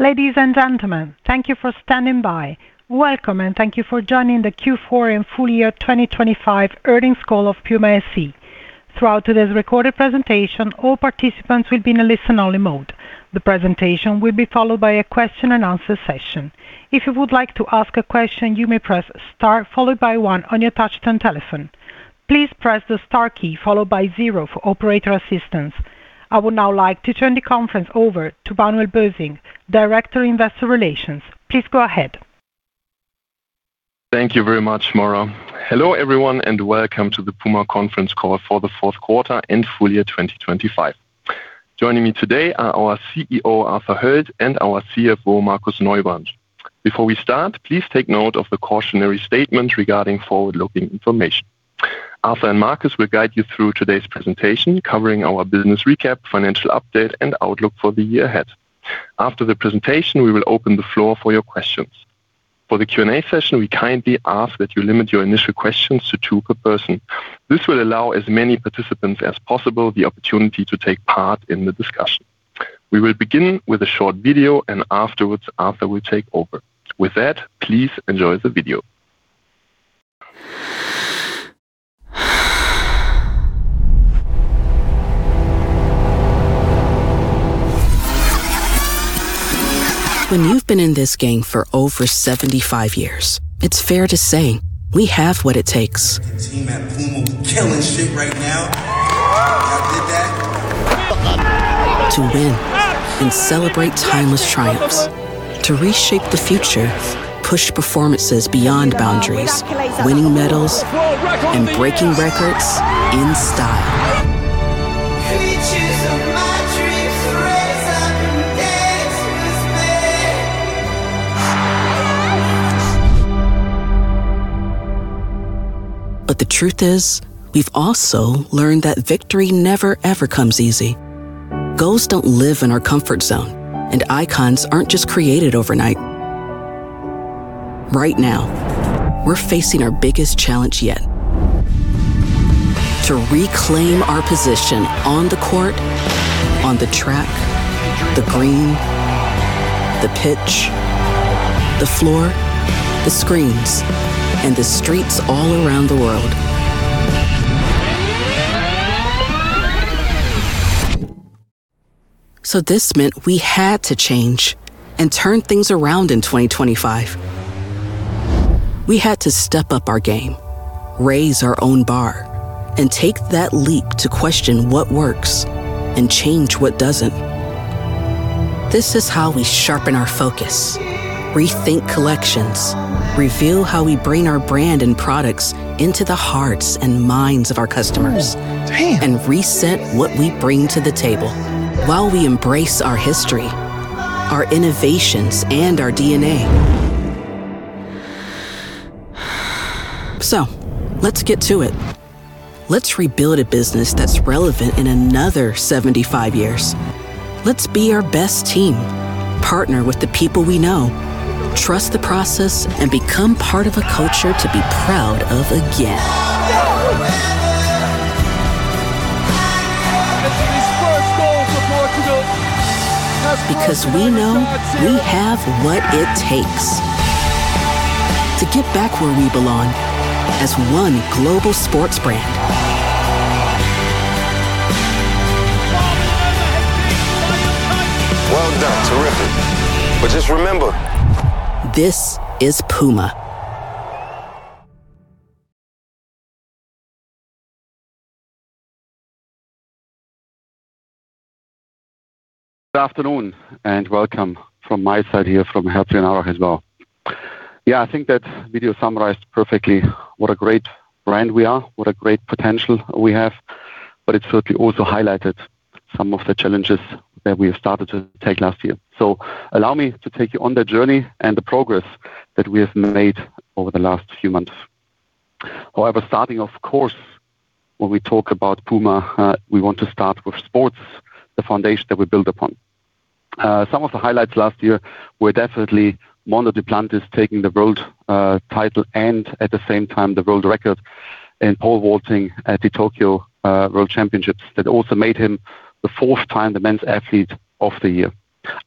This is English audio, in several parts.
Ladies and gentlemen, thank you for standing by. Welcome, and thank you for joining the Q4 and full year 2025 earnings call of PUMA SE. Throughout today's recorded presentation, all participants will be in a listen-only mode. The presentation will be followed by a question and answer session. If you would like to ask a question, you may press star, followed by one on your touch-tone telephone. Please press the star key followed by zero for operator assistance. I would now like to turn the conference over to Manuel Bösing, Director of Investor Relations. Please go ahead. Thank you very much, Maura. Hello, everyone, welcome to the PUMA conference call for the Fourth Quarter and Full Year 2025. Joining me today are our CEO, Arthur Hoeld, and our CFO, Markus Neubrand. Before we start, please take note of the cautionary statement regarding forward-looking information. Arthur and Markus will guide you through today's presentation, covering our business recap, financial update, and outlook for the year ahead. After the presentation, we will open the floor for your questions. For the Q&A session, we kindly ask that you limit your initial questions to two per person. This will allow as many participants as possible the opportunity to take part in the discussion. We will begin with a short video. Afterwards, Arthur will take over. With that, please enjoy the video. When you've been in this game for over 75 years, it's fair to say we have what it takes. The team at PUMA, we killing it right now. Y'all did that? To win and celebrate timeless triumphs, to reshape the future, push performances beyond boundaries, winning medals and breaking records in style. Creatures of my dreams, rise up and dance with me. The truth is, we've also learned that victory never, ever comes easy. Goals don't live in our comfort zone, and icons aren't just created overnight. Right now, we're facing our biggest challenge yet. To reclaim our position on the court, on the track, the green, the pitch, the floor, the screens, and the streets all around the world. This meant we had to change and turn things around in 2025. We had to step up our game, raise our own bar, and take that leap to question what works and change what doesn't. This is how we sharpen our focus, rethink collections, reveal how we bring our brand and products into the hearts and minds of our customers- Damn! Reset what we bring to the table while we embrace our history, our innovations, and our DNA. Let's get to it. Let's rebuild a business that's relevant in another 75 years. Let's be our best team, partner with the people we know, trust the process, and become part of a culture to be proud of again. It is his first goal for Portugal. We know we have what it takes to get back where we belong as one global sports brand. Well, the winner has been quite impressive. Well done. Terrific. Just remember... This is PUMA. Good afternoon, welcome from my side here, from Arthur and Markus as well. I think that video summarized perfectly what a great brand we are, what a great potential we have, it certainly also highlighted some of the challenges that we have started to take last year. Allow me to take you on that journey and the progress that we have made over the last few months. Starting, of course, when we talk about PUMA, we want to start with sports, the foundation that we build upon. Some of the highlights last year were definitely Mondo Duplantis taking the World Title and at the same time, the World Record in Pole Vaulting at the Tokyo World Championships. That also made him the fourth time the Men's Athlete of the Year.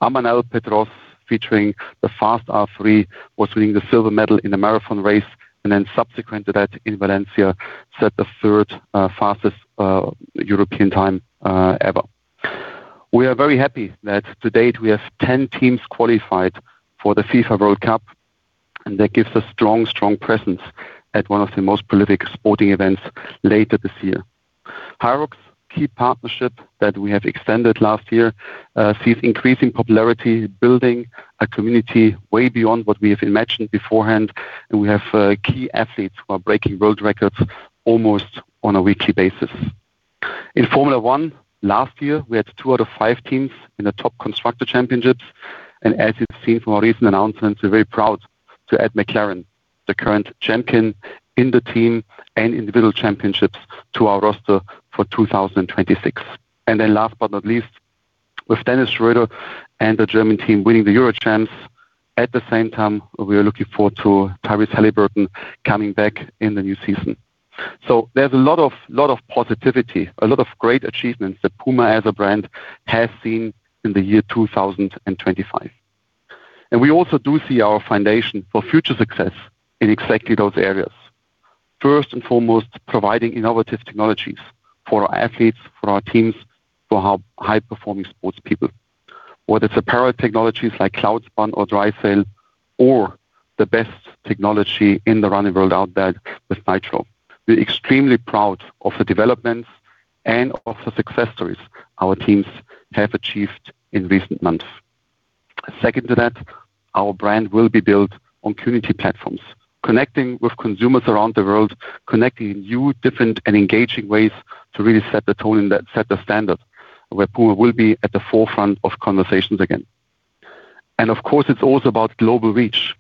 Amanal Petros, featuring the Fast-R 3, was winning the silver medal in the marathon race, and then subsequent to that in Valencia, set the third Fastest European time ever. We are very happy that to-date, we have 10 teams qualified for the FIFA World Cup, and that gives us strong presence at one of the most prolific sporting events later this year. HYROX key partnership that we have extended last year sees increasing popularity, building a community way beyond what we have imagined beforehand, and we have key athletes who are breaking world records almost on a weekly basis. In Formula 1, last year, we had two out of five teams in the top Constructor Championships. As you've seen from our recent announcements, we're very proud to add McLaren, the current champion in the team and individual championships, to our roster for 2026. Last but not least, with Dennis Schröder and the German team winning the Euro Champs, at the same time, we are looking forward to Tyrese Haliburton coming back in the new season. There's a lot of positivity, a lot of great achievements that PUMA as a brand has seen in the year 2025. We also do see our foundation for future success in exactly those areas. First and foremost, providing innovative technologies for our athletes, for our teams, for our high-performing sports people. Whether it's a pair of technologies like CLOUDSPUN or dryCELL, or the best technology in the running world out there with NITRO. We're extremely proud of the developments and of the success stories our teams have achieved in recent months. Second to that, our brand will be built on community platforms, connecting with consumers around the world, connecting in new, different, and engaging ways to really set the tone and set the standard where PUMA will be at the forefront of conversations again. Of course, it's also about global reach.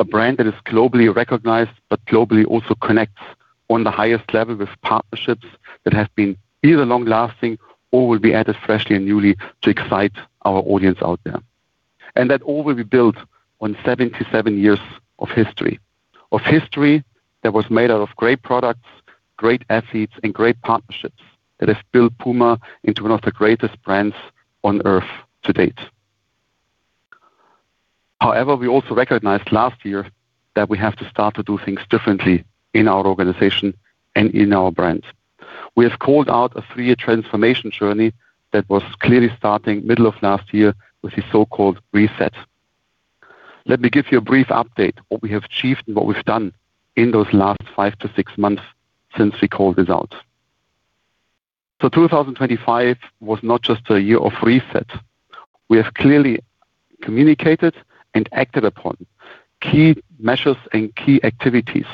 A brand that is globally recognized, but globally also connects on the highest level with partnerships that have been either long-lasting or will be added freshly and newly to excite our audience out there. That all will be built on 77 years of history, of history that was made out of great products, great athletes, and great partnerships that have built PUMA into one of the greatest brands on Earth to date. However, we also recognized last year that we have to start to do things differently in our organization and in our brands. We have called out a three-year transformation journey that was clearly starting middle of last year with the so-called Reset. Let me give you a brief update, what we have achieved and what we've done in those last five to six months since we called this out. 2025 was not just a year of Reset. We have clearly communicated and acted upon key measures and key activities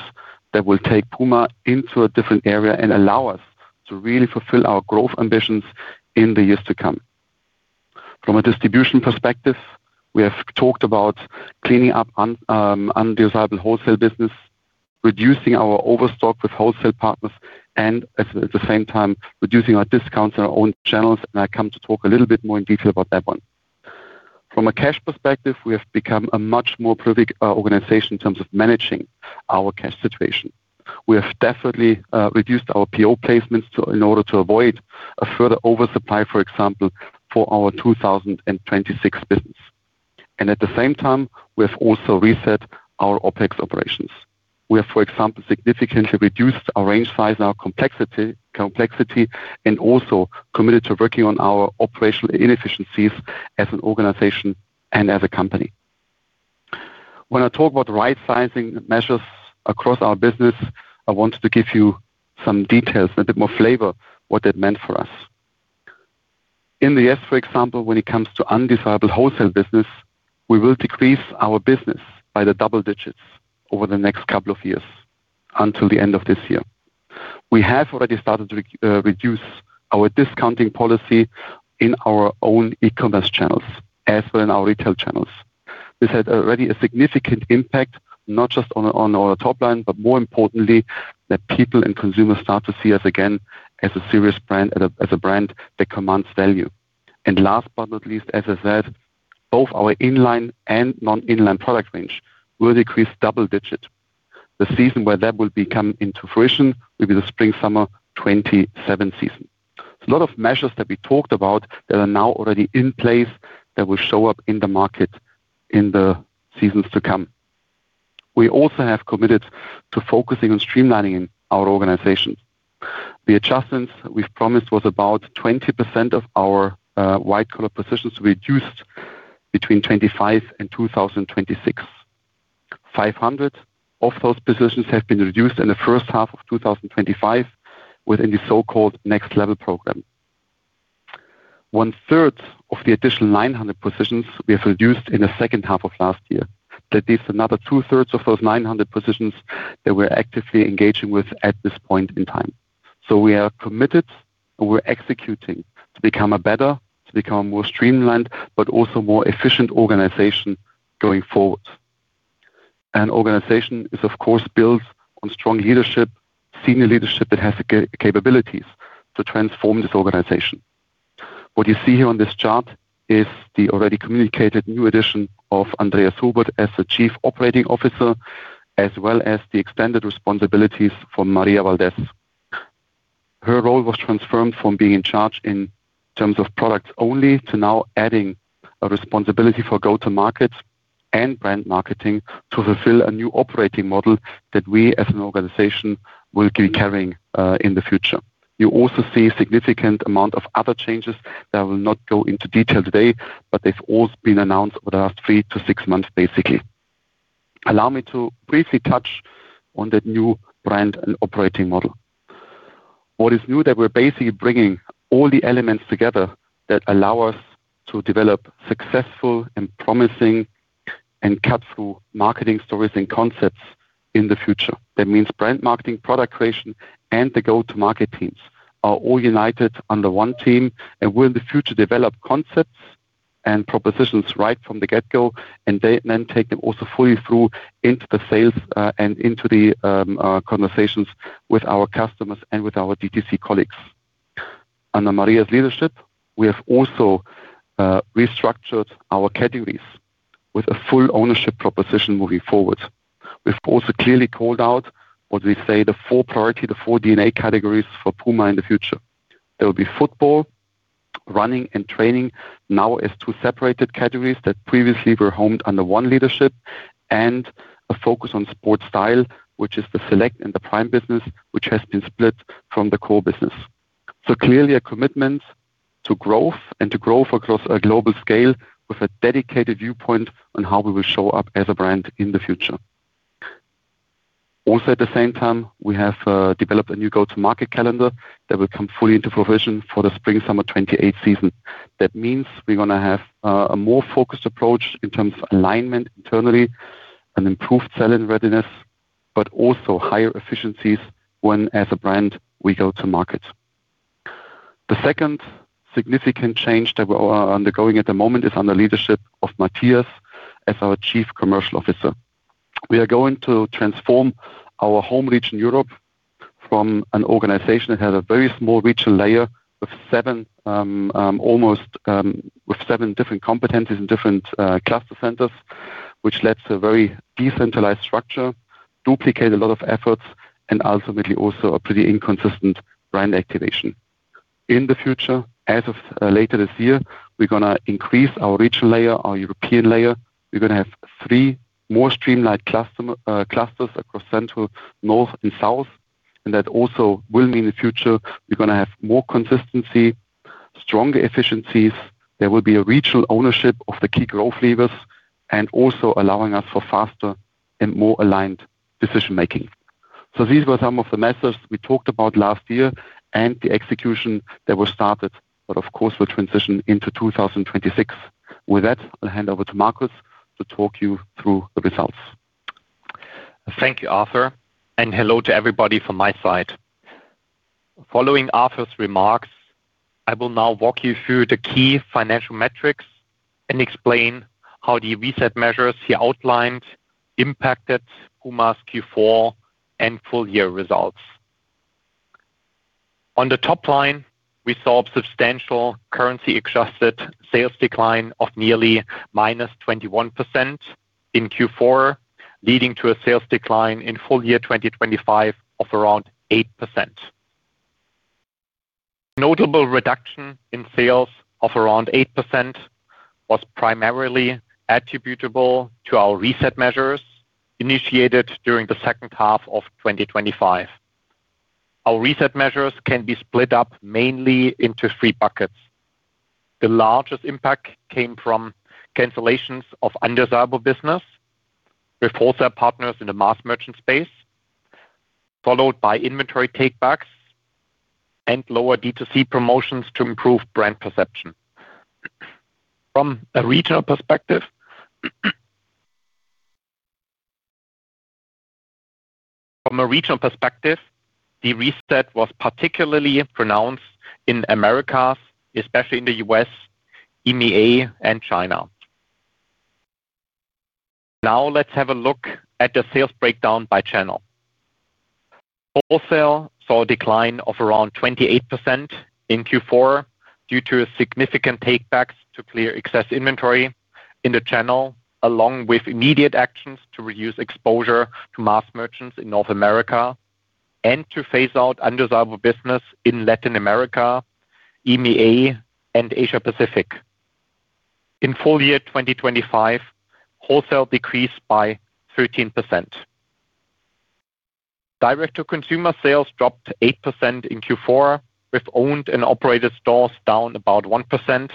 that will take PUMA into a different area and allow us to really fulfill our growth ambitions in the years to come. From a distribution perspective, we have talked about cleaning up un undesirable wholesale business, reducing our overstock with wholesale partners, at the same time, reducing our discounts on our own channels, and I come to talk a little bit more in detail about that one. From a cash perspective, we have become a much more prolific organization in terms of managing our cash situation. We have definitely reduced our PO placements in order to avoid a further oversupply, for example, for our 2026 business. At the same time, we have also Reset our OpEx operations. We have, for example, significantly reduced our range size and our complexity, and also committed to working on our operational inefficiencies as an organization and as a company. When I talk about right-sizing measures across our business, I wanted to give you some details, a bit more flavor, what that meant for us. In the S, for example, when it comes to undesirable wholesale business, we will decrease our business by the double digits over the next couple of years until the end of this year. We have already started to reduce our discounting policy in our own e-commerce channels as well in our retail channels. This had already a significant impact, not just on our top line, but more importantly, that people and consumers start to see us again as a serious brand and as a brand that commands value. Last but not least, as I said, both our in-line and non-in-line product range will decrease double-digit. The season where that will be coming into fruition will be the spring, summer 2027 season. A lot of measures that we talked about that are now already in place that will show up in the market in the seasons to come. We also have committed to focusing on streamlining our organization. The adjustments we've promised was about 20% of our white-collar positions reduced between 2025 and 2026. 500 of those positions have been reduced in the first half of 2025 within the so-called nextlevel program. One-third of the additional 900 positions we have reduced in the second half of last year. That leaves another 2/3 of those 900 positions that we're actively engaging with at this point in time. We are committed, and we're executing to become a better, more streamlined, but also more efficient organization going forward. An organization is, of course, built on strong leadership, senior leadership that has the capabilities to transform this organization. What you see here on this chart is the already communicated new addition of Andreas Hubert as the Chief Operating Officer, as well as the extended responsibilities for Maria Valdes. Her role was transformed from being in charge in terms of products only, to now adding a responsibility for go-to-market and brand marketing to fulfill a new operating model that we, as an organization, will be carrying in the future. You also see a significant amount of other changes that I will not go into detail today. They've also been announced over the last three to six months, basically. Allow me to briefly touch on that new brand and operating model. What is new, that we're basically bringing all the elements together that allow us to develop successful and promising and cut-through marketing stories and concepts in the future. That means brand marketing, product creation, and the go-to-market teams are all united under one team and will in the future, develop concepts and propositions right from the get-go, and they then take them also fully through into the sales and into the conversations with our customers and with our DTC colleagues. Under Maria's leadership, we have also restructured our categories with a full ownership proposition moving forward. We've also clearly called out what we say, the four priority, the four DNA categories for PUMA in the future. They will be Football, Rrunning, and Training, now as two separated categories that previously were homed under one leadership, and a focus on Sportstyle, which is the Select and the Prime business, which has been split from the core business. Clearly a commitment to growth and to growth across a global scale with a dedicated viewpoint on how we will show up as a brand in the future. Also, at the same time, we have developed a new go-to-market calendar that will come fully into provision for the spring, summer 2028 season. That means we're gonna have a more focused approach in terms of alignment internally and improved selling readiness, but also higher efficiencies when as a brand we go to market. The second significant change that we are undergoing at the moment is under the leadership of Matthias as our Chief Commercial Officer. We are going to transform our home region, Europe, from an organization that had a very small regional layer with seven different competencies and different cluster centers, which lets a very decentralized structure, duplicate a lot of efforts, and ultimately also a pretty inconsistent brand activation. In the future, as of later this year, we're gonna increase our regional layer, our European layer. We're gonna have three more streamlined clusters across central, north, and south, that also will mean in the future, we're gonna have more consistency, stronger efficiencies. There will be a regional ownership of the key growth levers and also allowing us for faster and more aligned decision-making. These were some of the methods we talked about last year and the execution that was started, but of course, will transition into 2026. With that, I'll hand over to Markus to talk you through the results. Thank you, Arthur, and hello to everybody from my side. Following Arthur's remarks, I will now walk you through the key financial metrics and explain how the Reset measures he outlined impacted PUMA's Q4 and full year results. On the top line, we saw a substantial currency-adjusted sales decline of nearly -21% in Q4, leading to a sales decline in full year 2025 of around 8%. Notable reduction in sales of around 8% was primarily attributable to our Reset measures initiated during the second half of 2025. Our Reset measures can be split up mainly into three buckets. The largest impact came from cancellations of undesirable business with wholesale partners in the Mass Merchant Space, followed by Inventory Takebacks and lower DTC Promotions to improve brand perception. From a regional perspective, the Reset was particularly pronounced in Americas, especially in the U.S., EMEA, and China. Now, let's have a look at the sales breakdown by channel. Wholesale saw a decline of around 28% in Q4 due to significant takebacks to clear excess inventory in the channel, along with immediate actions to reduce exposure to mass merchants in North America and to phase out undesirable business in Latin America, EMEA, and Asia Pacific. In full year 2025, wholesale decreased by 13%. Direct-to-Consumer sales dropped 8% in Q4, with owned and operated stores down about 1%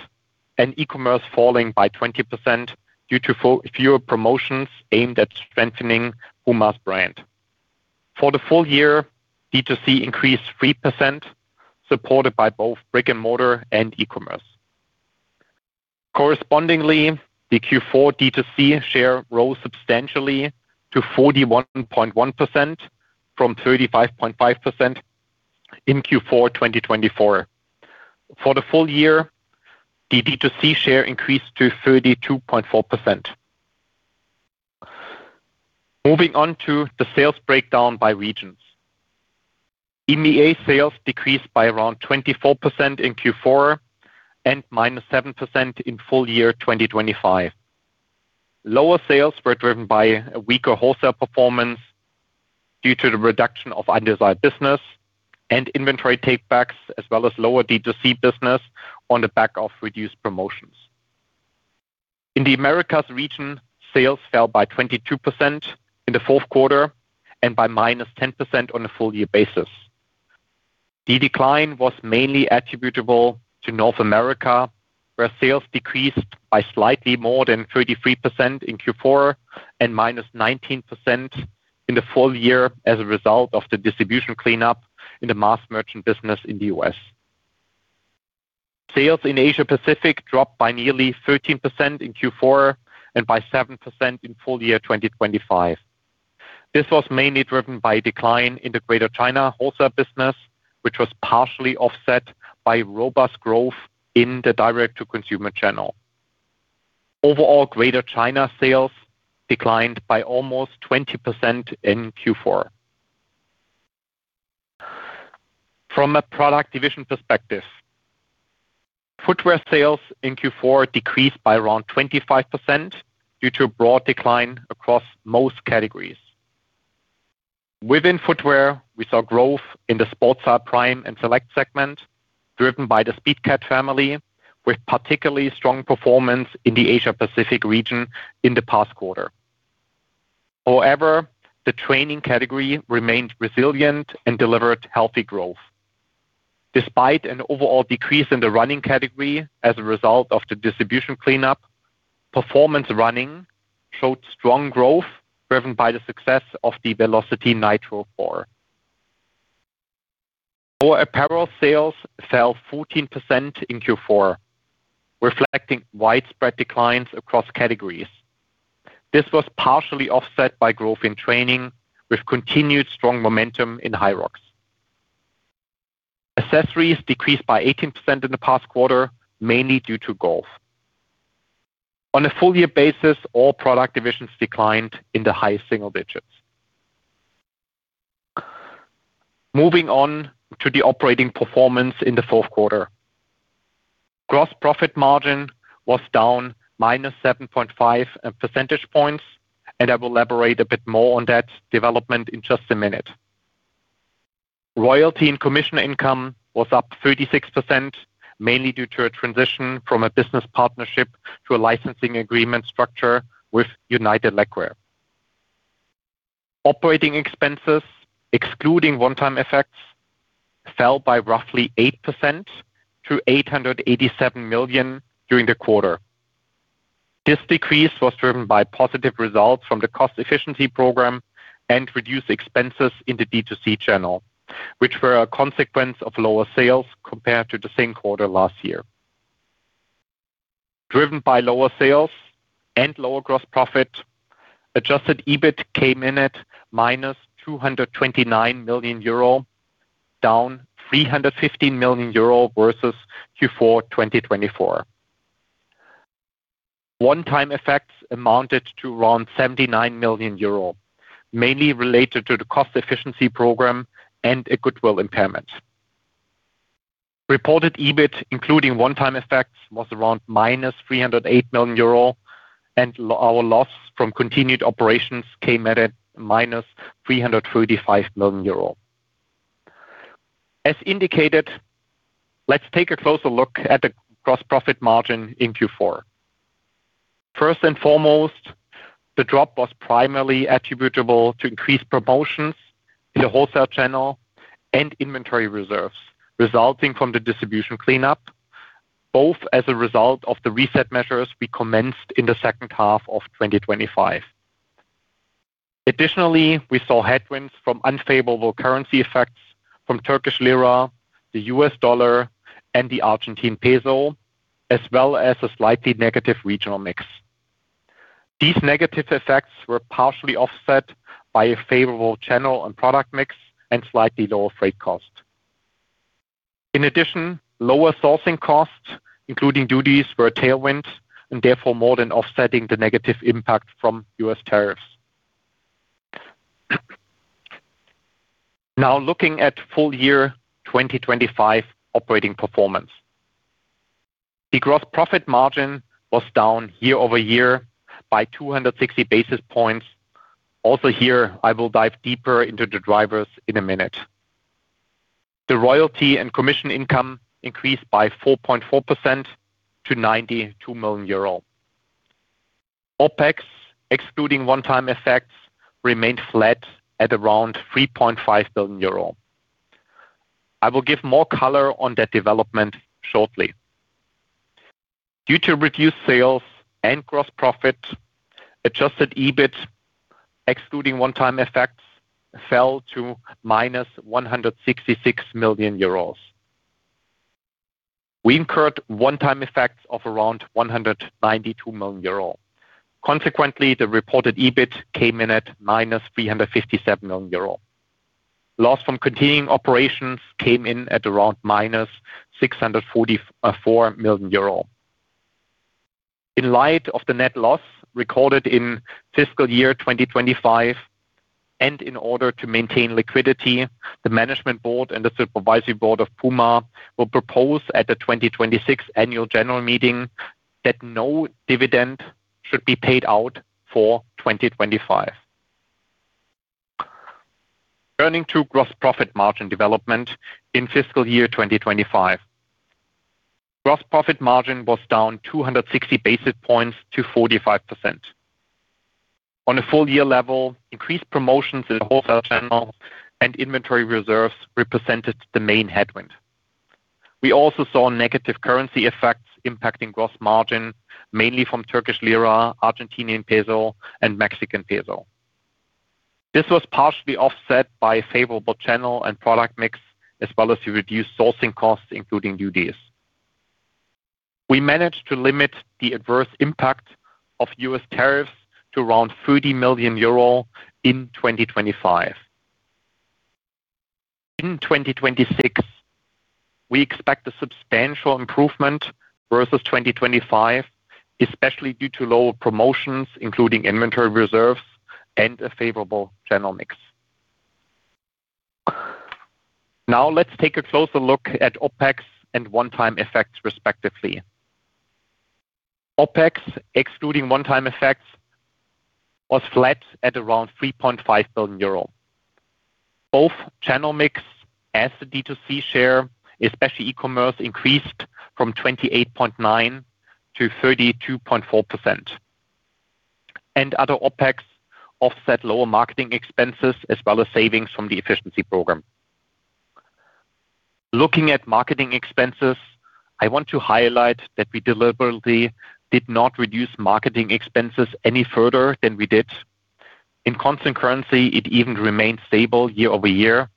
and e-commerce falling by 20% due to fewer promotions aimed at strengthening PUMA's brand. For the full year, DTC increased 3%, supported by both brick-and-mortar and e-commerce. Correspondingly, the Q4 DTC share rose substantially to 41.1% from 35.5% in Q4 2024. For the full year, the DTC share increased to 32.4%. Moving on to the sales breakdown by regions. EMEA sales decreased by around 24% in Q4 and -7% in full year 2025. Lower sales were driven by a weaker wholesale performance due to the reduction of undesired business and inventory takebacks, as well as lower DTC business on the back of reduced promotions. In the Americas region, sales fell by 22% in the fourth quarter and by -10% on a full year basis. The decline was mainly attributable to North America, where sales decreased by slightly more than 33% in Q4 and minus 19% in the full year as a result of the distribution cleanup in the mass merchant business in the U.S. Sales in Asia Pacific dropped by nearly 13% in Q4 and by 7% in full year 2025. This was mainly driven by a decline in the Greater China wholesale business, which was partially offset by robust growth in the direct-to-consumer channel. Overall, Greater China sales declined by almost 20% in Q4. From a product division perspective, footwear sales in Q4 decreased by around 25% due to a broad decline across most categories. Within footwear, we saw growth in the Sportstyle Prime and Select segment, driven by the Speedcat family, with particularly strong performance in the Asia Pacific region in the past quarter. However, the Training category remained resilient and delivered healthy growth. Despite an overall decrease in the Running category as a result of the distribution cleanup, performance running showed strong growth, driven by the success of the Velocity NITRO 4. Our Apparel sales fell 14% in Q4, reflecting widespread declines across categories. This was partially offset by growth in Training, with continued strong momentum in HYROX. Accessories decreased by 18% in the past quarter, mainly due to golf. On a full year basis, all product divisions declined in the high single digits. Moving on to the operating performance in the fourth quarter. Gross profit margin was down -7.5 percentage points, and I will elaborate a bit more on that development in just a minute. Royalty and commission income was up 36%, mainly due to a transition from a business partnership to a licensing agreement structure with United Legwear. Operating expenses, excluding one-time effects, fell by roughly 8% to 887 million during the quarter. This decrease was driven by positive results from the cost efficiency program and reduced expenses in the DTC channel, which were a consequence of lower sales compared to the same quarter last year. Driven by lower sales and lower gross profit, Adjusted EBIT came in at -229 million euro, down 315 million euro versus Q4 2024. One-time effects amounted to around 79 million euro, mainly related to the cost efficiency program and a goodwill impairment. Reported EBIT, including one-time effects, was around -308 million euro, and our loss from continued operations came at a -335 million euro. As indicated, let's take a closer look at the gross profit margin in Q4. First and foremost, the drop was primarily attributable to increased promotions in the wholesale channel and inventory reserves, resulting from the distribution cleanup, both as a result of the Reset measures we commenced in the second half of 2025. We saw headwinds from unfavorable currency effects from Turkish lira, the US dollar, and the Argentine peso, as well as a slightly negative regional mix. These negative effects were partially offset by a favorable channel and product mix and slightly lower freight costs. Lower sourcing costs, including duties, were a tailwind and therefore more than offsetting the negative impact from U.S. Tariffs. Looking at full year 2025 operating performance. The Gross Profit margin was down year-over-year by 260 basis points. I will dive deeper into the drivers in a minute. The Royalty and Commission Income increased by 4.4% to 92 million euro. OpEx, excluding one-time effects, remained flat at around 3.5 billion euro. I will give more color on that development shortly. Due to reduced sales and gross profit, Adjusted EBIT, excluding one-time effects, fell to minus 166 million euros. We incurred one-time effects of around 192 million euros. The reported EBIT came in at minus 357 million euros. Loss from continuing operations came in at around minus 644 million euros. In light of the net loss recorded in Fiscal Year 2025, and in order to maintain liquidity, the management board and the supervisory board of PUMA will propose at the 2026 Annual General Meeting that no dividend should be paid out for 2025. Turning to gross profit margin development in Fiscal Year 2025. Gross profit margin was down 260 basis points to 45%. On a full year level, increased promotions in the wholesale channel and inventory reserves represented the main headwind. We also saw negative currency effects impacting gross margin, mainly from Turkish lira, Argentinian peso, and Mexican peso. This was partially offset by a favorable channel and product mix, as well as reduced sourcing costs, including duties. We managed to limit the adverse impact of U.S. Tariffs to around 30 million euro in 2025. In 2026, we expect a substantial improvement versus 2025, especially due to lower promotions, including inventory reserves and a favorable channel mix. Let's take a closer look at OpEx and one-time effects, respectively. OpEx, excluding one-time effects, was flat at around 3.5 billion euro. Both channel mix as the DTC share, especially e-commerce, increased from 28.9% to 32.4%. Other OpEx offset lower marketing expenses, as well as savings from the efficiency program. Looking at marketing expenses, I want to highlight that we deliberately did not reduce marketing expenses any further than we did. In constant currency, it even remained stable year-over-year,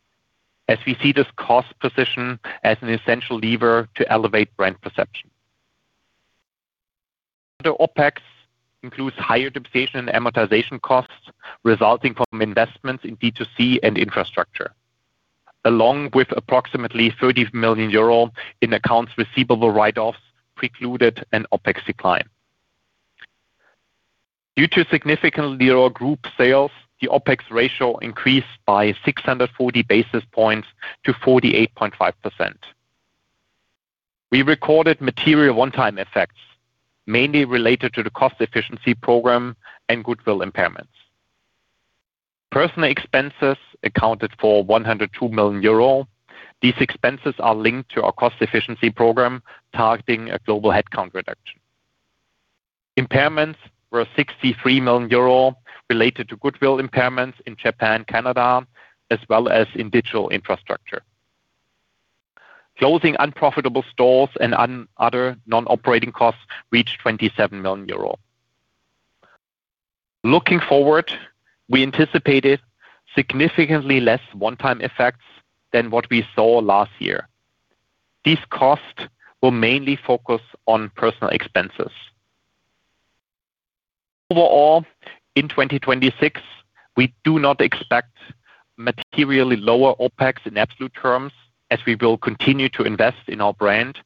as we see this cost position as an essential lever to elevate brand perception. The OpEx includes higher depreciation and amortization costs resulting from investments in DTC and infrastructure, along with approximately 30 million euro in accounts receivable write-offs precluded an OpEx decline. Due to significantly lower group sales, the OpEx ratio increased by 640 basis points to 48.5%. We recorded material one-time effects, mainly related to the cost efficiency program and goodwill impairments. Personnel expenses accounted for 102 million euro. These expenses are linked to our cost efficiency program, targeting a global headcount reduction. Impairments were 63 million euro related to goodwill impairments in Japan, Canada, as well as in digital infrastructure. Closing unprofitable stores and other non-operating costs reached 27 million euro. Looking forward, we anticipated significantly less one-time effects than what we saw last year. These costs will mainly focus on personal expenses. Overall, in 2026, we do not expect materially lower OpEx in absolute terms as we will continue to invest in our brand,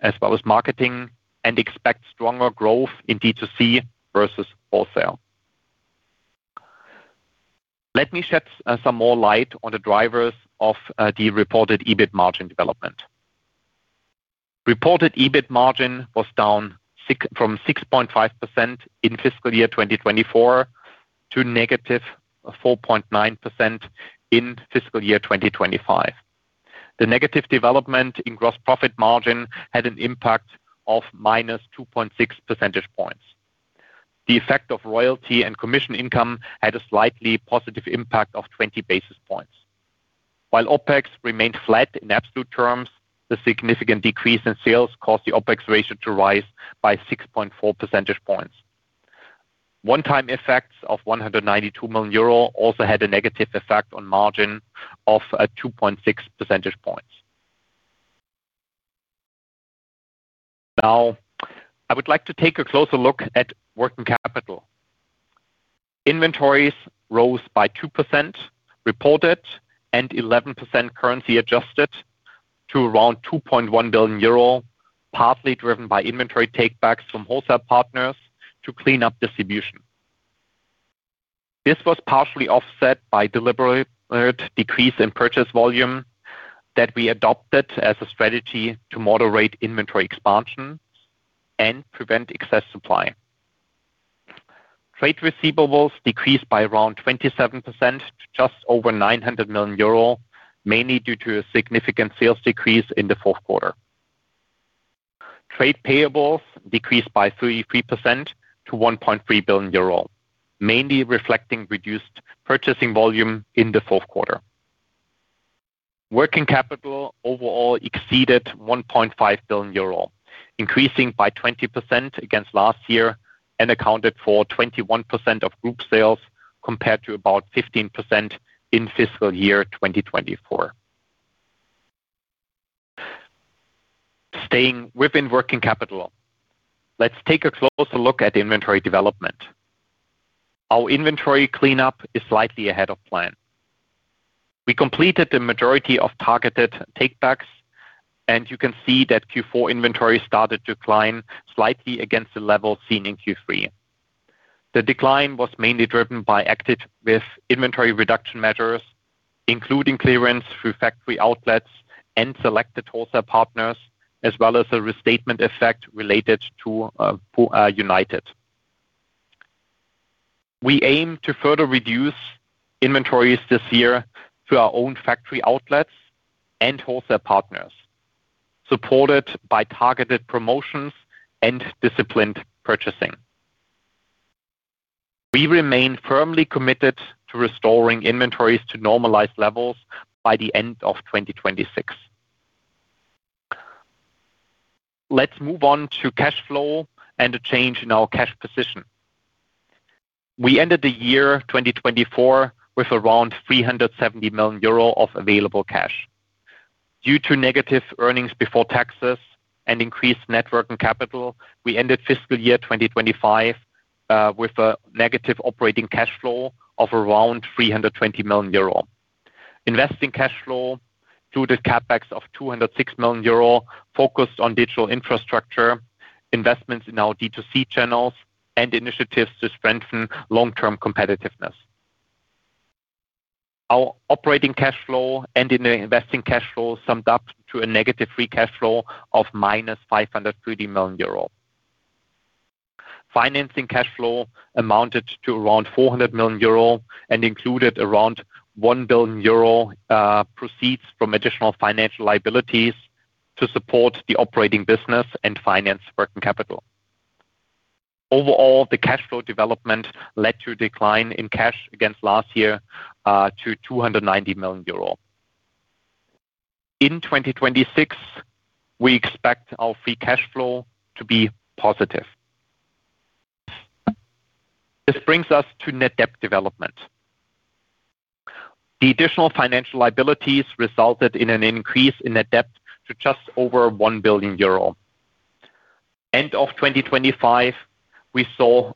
as well as marketing, and expect stronger growth in DTC versus wholesale. Let me shed some more light on the drivers of the reported EBIT margin development. Reported EBIT margin was down from 6.5% in Fiscal Year 2024 to -4.9% in Fiscal Year 2025. The negative development in gross profit margin had an impact of -2.6 percentage points. The effect of royalty and commission income had a slightly positive impact of 20 basis points. While OpEx remained flat in absolute terms, the significant decrease in sales caused the OpEx ratio to rise by 6.4 percentage points. One-time effects of 192 million euro also had a negative effect on margin of 2.6 percentage points. I would like to take a closer look at working capital. Inventories rose by 2% reported and 11% currency adjusted to around 2.1 billion euro, partly driven by inventory takebacks from wholesale partners to clean up distribution. This was partially offset by deliberate decrease in purchase volume that we adopted as a strategy to moderate inventory expansion and prevent excess supply. Trade receivables decreased by around 27% to just over 900 million euro, mainly due to a significant sales decrease in the fourth quarter. Trade payables decreased by 3% to 1.3 billion euro, mainly reflecting reduced purchasing volume in the fourth quarter. Working capital overall exceeded 1.5 billion euro, increasing by 20% against last year, and accounted for 21% of group sales, compared to about 15% in Fiscal Year 2024. Staying within working capital, let's take a closer look at the inventory development. Our inventory cleanup is slightly ahead of plan. We completed the majority of targeted takebacks, and you can see that Q4 inventory started to decline slightly against the level seen in Q3. The decline was mainly driven by active with inventory reduction measures, including clearance through factory outlets and selected wholesale partners, as well as a restatement effect related to United. We aim to further reduce inventories this year through our own factory outlets and wholesale partners, supported by targeted promotions and disciplined purchasing. We remain firmly committed to restoring inventories to normalized levels by the end of 2026. Let's move on to cash flow and a change in our cash position. We ended the year 2024 with around 370 million euro of available cash. Due to negative earnings before taxes and increased net working capital, we ended Fiscal Year 2025 with a negative operating cash flow of around 320 million euro. Investing cash flow through the CspEx of 206 million euro, focused on digital infrastructure, investments in our DTC channels, and initiatives to strengthen long-term competitiveness. Our operating cash flow and in the investing cash flow summed up to a negative free cash flow of minus 530 million euro. Financing cash flow amounted to around 400 million euro and included around 1 billion euro proceeds from additional financial liabilities to support the operating business and finance working capital. Overall, the cash flow development led to a decline in cash against last year, to 290 million euro. In 2026, we expect our free cash flow to be positive. This brings us to net-debt development. The additional financial liabilities resulted in an increase in net debt to just over 1 billion euro. End of 2025, we saw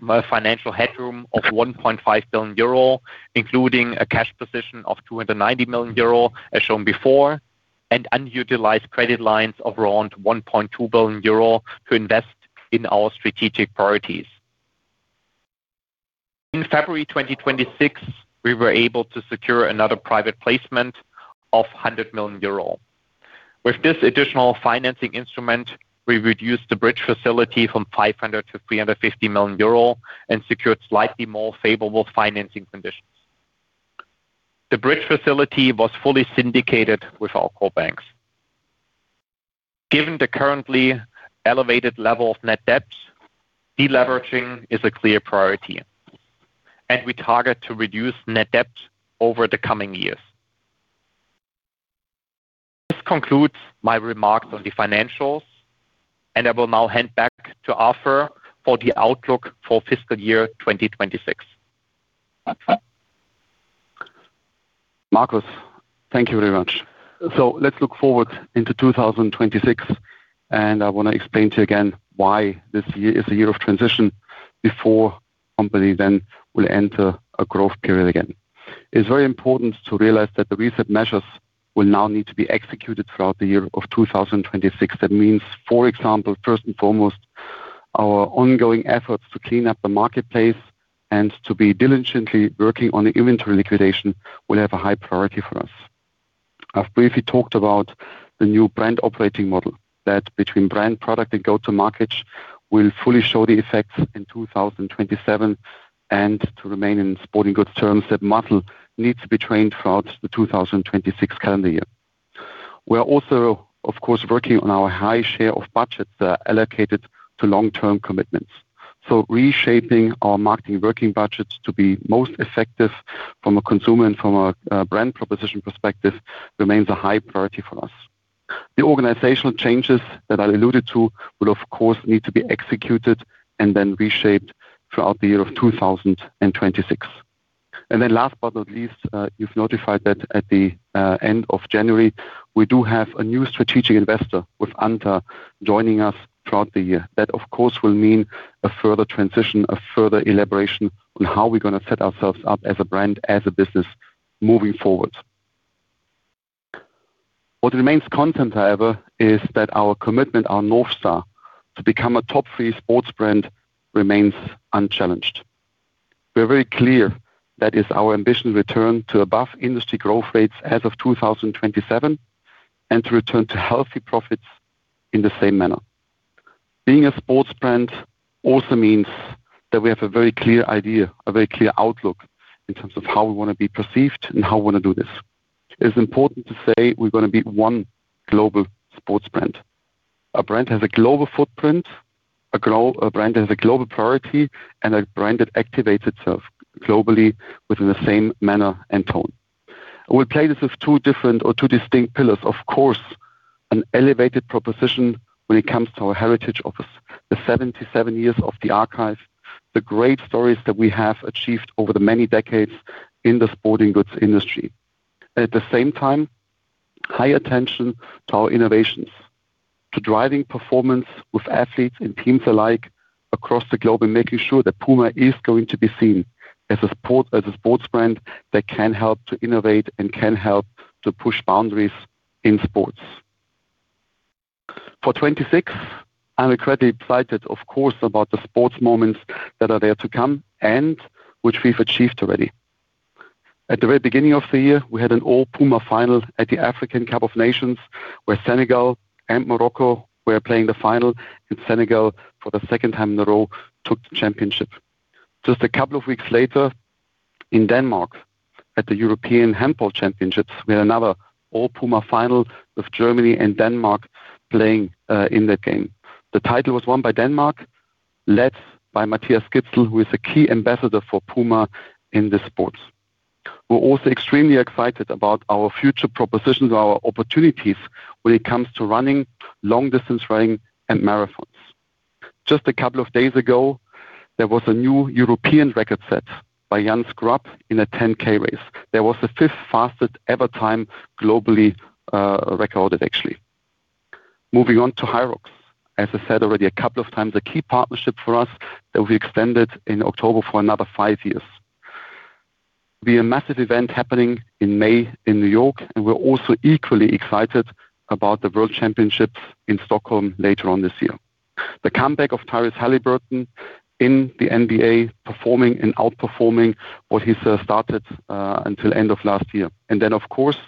more financial headroom of 1.5 billion euro, including a cash position of 290 million euro, as shown before, and unutilized credit lines of around 1.2 billion euro to invest in our strategic priorities. In February 2026, we were able to secure another private placement of 100 million euro. With this additional financing instrument, we reduced the bridge facility from 500 million to 350 million euro and secured slightly more favorable financing conditions. The bridge facility was fully syndicated with our core banks. Given the currently elevated level of net debt, deleveraging is a clear priority, and we target to reduce net debt over the coming years. This concludes my remarks on the financials. I will now hand back to Arthur for the outlook for Fiscal Year 2026. Markus, thank you very much. Let's look forward into 2026, and I want to explain to you again why this year is a year of transition before company then will enter a growth period again. It's very important to realize that the recent measures will now need to be executed throughout the year of 2026. That means, for example, first and foremost, our ongoing efforts to clean up the marketplace and to be diligently working on the inventory liquidation will have a high priority for us. I've briefly talked about the new brand operating model, that between brand, product, and go-to-market, will fully show the effects in 2027, and to remain in sporting goods terms, that muscle needs to be trained throughout the 2026 calendar year. We are also, of course, working on our high share of budgets that are allocated to long-term commitments. Reshaping our marketing working budgets to be most effective from a consumer and from a brand proposition perspective, remains a high priority for us. The organizational changes that I alluded to will of course, need to be executed and then reshaped throughout the year of 2026. Last but not least, you've notified that at the end of January, we do have a new strategic investor, with ANTA joining us throughout the year. That, of course, will mean a further transition, a further elaboration on how we're gonna set ourselves up as a brand, as a business moving forward. What remains content, however, is that our commitment, our North Star, to become a top three sports brand, remains unchallenged. We are very clear that is our ambition to return to above industry growth rates as of 2027, and to return to healthy profits in the same manner. Being a sports brand also means that we have a very clear idea, a very clear outlook in terms of how we wanna be perceived and how we wanna do this. It's important to say we're gonna be one global sports brand. A brand has a global footprint, a brand that has a global priority, and a brand that activates itself globally within the same manner and tone. We play this with two different or two distinct pillars, of course, an elevated proposition when it comes to our heritage of the 77 years of the archive, the great stories that we have achieved over the many decades in the sporting goods industry. At the same time, high attention to our innovations, to driving performance with athletes and teams alike across the globe, and making sure that PUMA is going to be seen as a sports brand that can help to innovate and can help to push boundaries in sports. 2026, I'm incredibly excited, of course, about the sports moments that are there to come and which we've achieved already. At the very beginning of the year, we had an all PUMA Final at the Africa Cup of Nations, where Senegal and Morocco were playing the final, and Senegal, for the 2nd time in a row, took the championship. Just a couple of weeks later, in Denmark, at the European Handball Championships, we had another all PUMA Final with Germany and Denmark playing in that game. The title was won by Denmark, led by Mathias Gidsel, who is a key ambassador for PUMA in this sport. We're also extremely excited about our future propositions, our opportunities when it comes to Running, Long-distance running, and Marathons. Just a couple of days ago, there was a new European record set by Yann Schrub in a 10K race. That was the fifth fastest ever time globally recorded, actually. Moving on to HYROX. As I said already a couple of times, a key partnership for us that we extended in October for another five years. Will be a massive event happening in May in New York, and we're also equally excited about the World Championships in Stockholm later on this year. The comeback of Tyrese Haliburton in the NBA, performing and outperforming what he started until end of last year. Of course,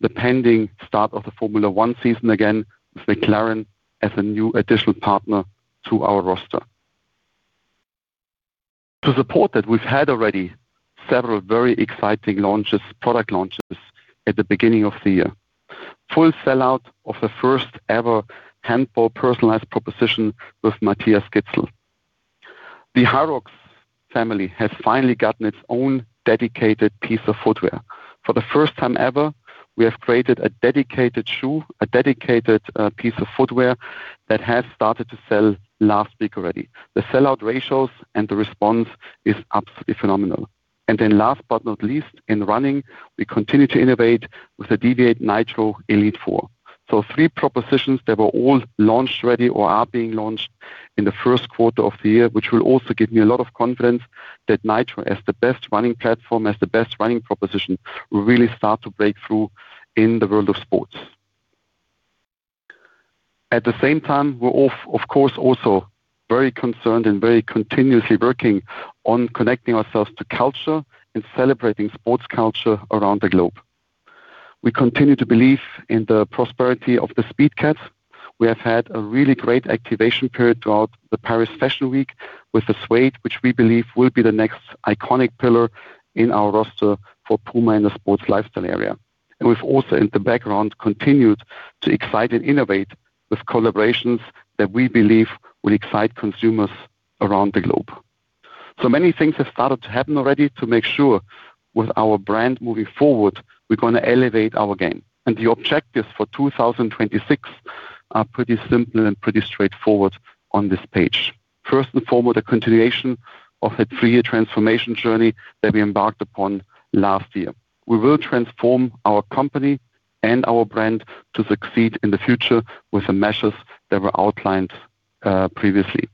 the pending start of the Formula 1 season again, with McLaren as a new additional partner to our roster. To support that, we've had already several very exciting launches, product launches at the beginning of the year. Full sellout of the first ever handball personalized proposition with Mathias Gidsel. The HYROX family has finally gotten its own dedicated piece of footwear. For the first time ever, we have created a dedicated shoe, a dedicated piece of footwear that has started to sell last week already. The sell-out ratios and the response is absolutely phenomenal. Last but not least, in running, we continue to innovate with the Deviate NITRO Elite 4. Three propositions that were all launched already or are being launched in the first quarter of the year, which will also give me a lot of confidence that NITRO, as the best running platform, as the best running proposition, will really start to break through in the world of sports. At the same time, we're of course also very concerned and very continuously working on connecting ourselves to culture and celebrating sports culture around the globe. We continue to believe in the prosperity of the Speedcat. We have had a really great activation period throughout the Paris Fashion Week with the Suede, which we believe will be the next iconic pillar in our roster for PUMA in the sports lifestyle area. We've also, in the background, continued to excite and innovate with collaborations that we believe will excite consumers around the globe. Many things have started to happen already to make sure with our brand moving forward, we're gonna elevate our game. The objectives for 2026 are pretty simple and pretty straightforward on this page. First and foremost, a continuation of the three-year transformation journey that we embarked upon last year. We will transform our company and our brand to succeed in the future with the measures that were outlined previously.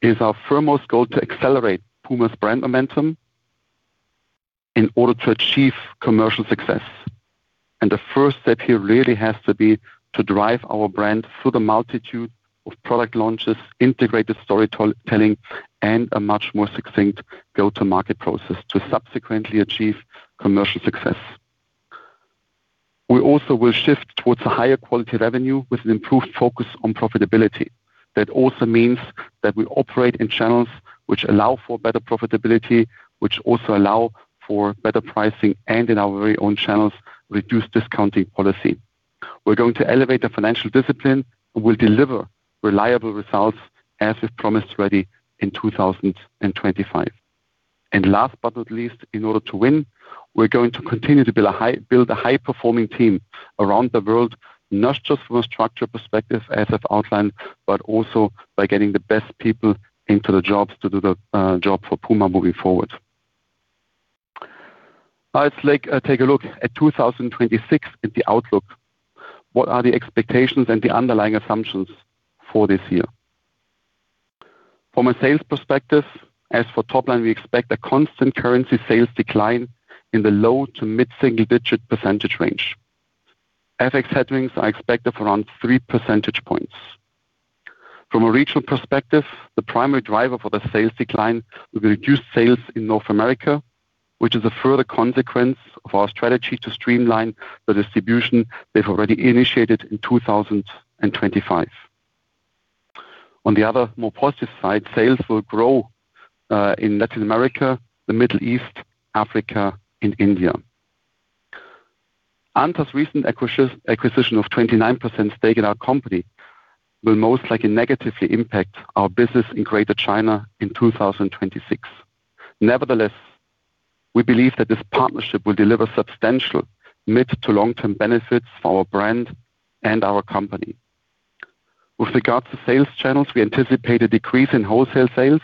It's our foremost goal to accelerate PUMA's brand momentum in order to achieve commercial success, and the first step here really has to be to drive our brand through the multitude of product launches, integrated storytelling, and a much more succinct go-to-market process to subsequently achieve commercial success. We also will shift towards a higher quality revenue with an improved focus on profitability. That also means that we operate in channels which allow for better profitability, which also allow for better pricing, and in our very own channels, reduced discounting policy. We're going to elevate the financial discipline, and we'll deliver reliable results as is promised ready in 2025. Last but not least, in order to win, we're going to continue to build a high-performing team around the world, not just from a structural perspective as I've outlined, but also by getting the best people into the jobs to do the job for PUMA moving forward. Now, let's take a look at 2026 and the outlook. What are the expectations and the underlying assumptions for this year? From a sales perspective, as for top line, we expect a constant currency sales decline in the low to mid-single-digit % range. FX headwinds are expected for around 3 percentage points. From a regional perspective, the primary driver for the sales decline will be reduced sales in North America, which is a further consequence of our strategy to streamline the distribution we've already initiated in 2025. On the other more positive side, sales will grow in Latin America, the Middle East, Africa, and India. ANTA's recent acquisition of 29% stake in our company will most likely negatively impact our business in Greater China in 2026. Nevertheless, we believe that this partnership will deliver substantial mid to long-term benefits for our brand and our company. With regards to sales channels, we anticipate a decrease in wholesale sales,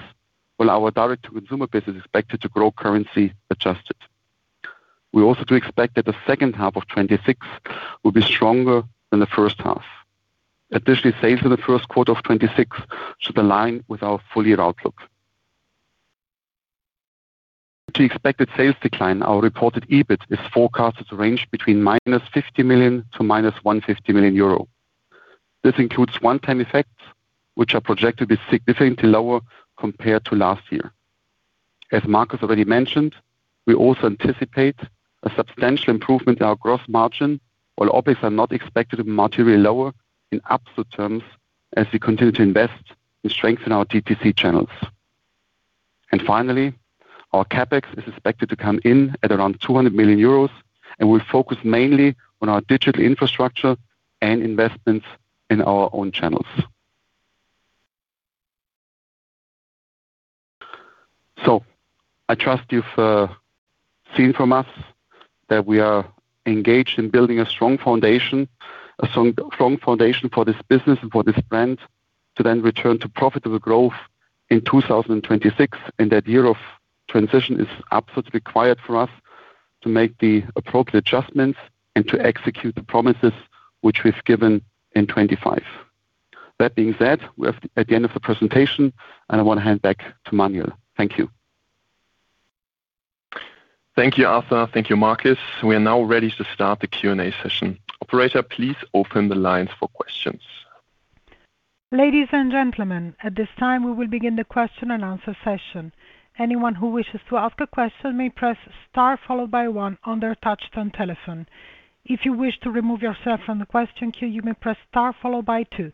while our direct-to-consumer business is expected to grow currency adjusted. We also do expect that the second half of 2026 will be stronger than the first half. Additionally, sales in the first quarter of 2026 should align with our full-year outlook. To expected sales decline, our reported EBIT is forecasted to range between -50 million to -150 million euro. This includes one-time effects, which are projected to be significantly lower compared to last year. As Markus already mentioned, we also anticipate a substantial improvement in our gross margin, while OpEx are not expected to be materially lower in absolute terms as we continue to invest and strengthen our DTC channels. Finally, our CapEx is expected to come in at around 200 million euros, and we'll focus mainly on our digital infrastructure and investments in our own channels. I trust you've seen from us that we are engaged in building a strong foundation for this business and for this brand to then return to profitable growth in 2026. That year of transition is absolutely required for us to make the appropriate adjustments and to execute the promises which we've given in 2025. That being said, we're at the end of the presentation. I want to hand back to Manuel. Thank you. Thank you, Arthur. Thank you, Markus. We are now ready to start the Q&A session. Operator, please open the lines for questions. Ladies and gentlemen, at this time, we will begin the question and answer session. Anyone who wishes to ask a question may press star followed by one on their touchtone telephone. If you wish to remove yourself from the question queue, you may press star followed by two.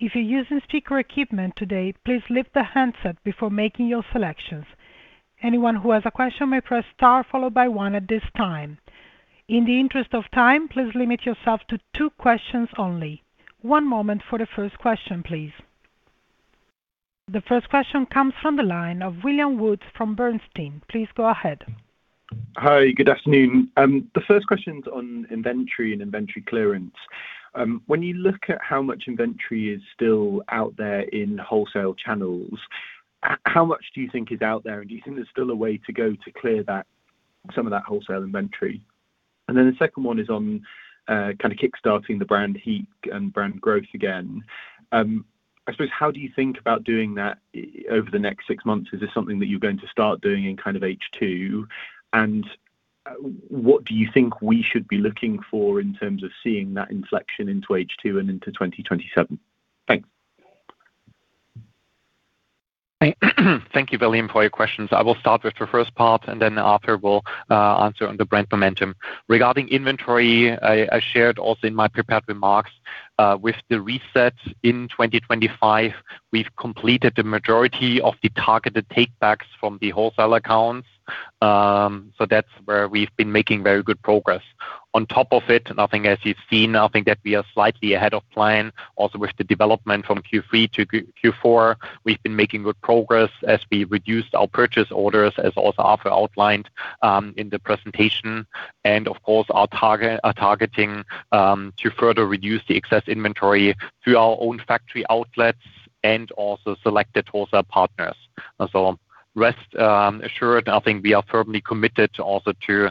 If you're using speaker equipment today, please lift the handset before making your selections. Anyone who has a question may press star followed by one at this time. In the interest of time, please limit yourself to two questions only. One moment for the first question, please. The first question comes from the line of William Woods from Bernstein. Please go ahead. Hi, good afternoon. The first question's on inventory and inventory clearance. When you look at how much inventory is still out there in wholesale channels, how much do you think is out there? Do you think there's still a way to go to clear that, some of that wholesale inventory? The second one is on, kind of kickstarting the brand heat and brand growth again. I suppose, how do you think about doing that, over the next six months? Is this something that you're going to start doing in kind of H2? What do you think we should be looking for in terms of seeing that inflection into H2 and into 2027? Thanks. Thank you, William, for your questions. I will start with the first part, and then Arthur will answer on the brand momentum. Regarding inventory, I shared also in my prepared remarks, with the Reset in 2025, we've completed the majority of the targeted takebacks from the wholesale accounts. So that's where we've been making very good progress. On top of it, I think, as you've seen, I think that we are slightly ahead of plan. Also, with the development from Q3 to Q4, we've been making good progress as we reduced our purchase orders, as also Arthur outlined in the presentation, and of course, are targeting to further reduce the excess inventory through our own factory outlets and also selected wholesale partners. Rest assured, I think we are firmly committed also to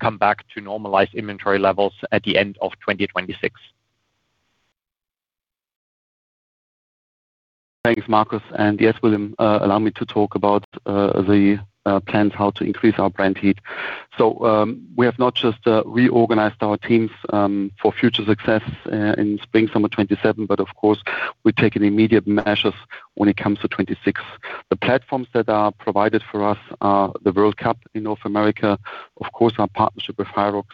come back to normalize inventory levels at the end of 2026. Thanks, Markus, and yes, William, allow me to talk about the plans, how to increase our brand heat. We have not just reorganized our teams for future success in spring, summer 2027, but of course, we're taking immediate measures when it comes to 2026. The platforms that are provided for us are the World Cup in North America, of course, our partnership with HYROX,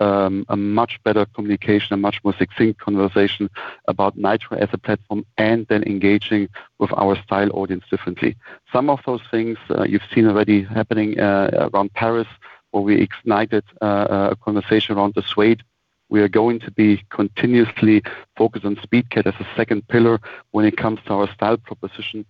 a much better communication, a much more succinct conversation about NITRO as a platform, and then engaging with our style audience differently. Some of those things, you've seen already happening around Paris, where we ignited a conversation around the Suede. We are going to be continuously focused on Speedcat as a second pillar when it comes to our style proposition.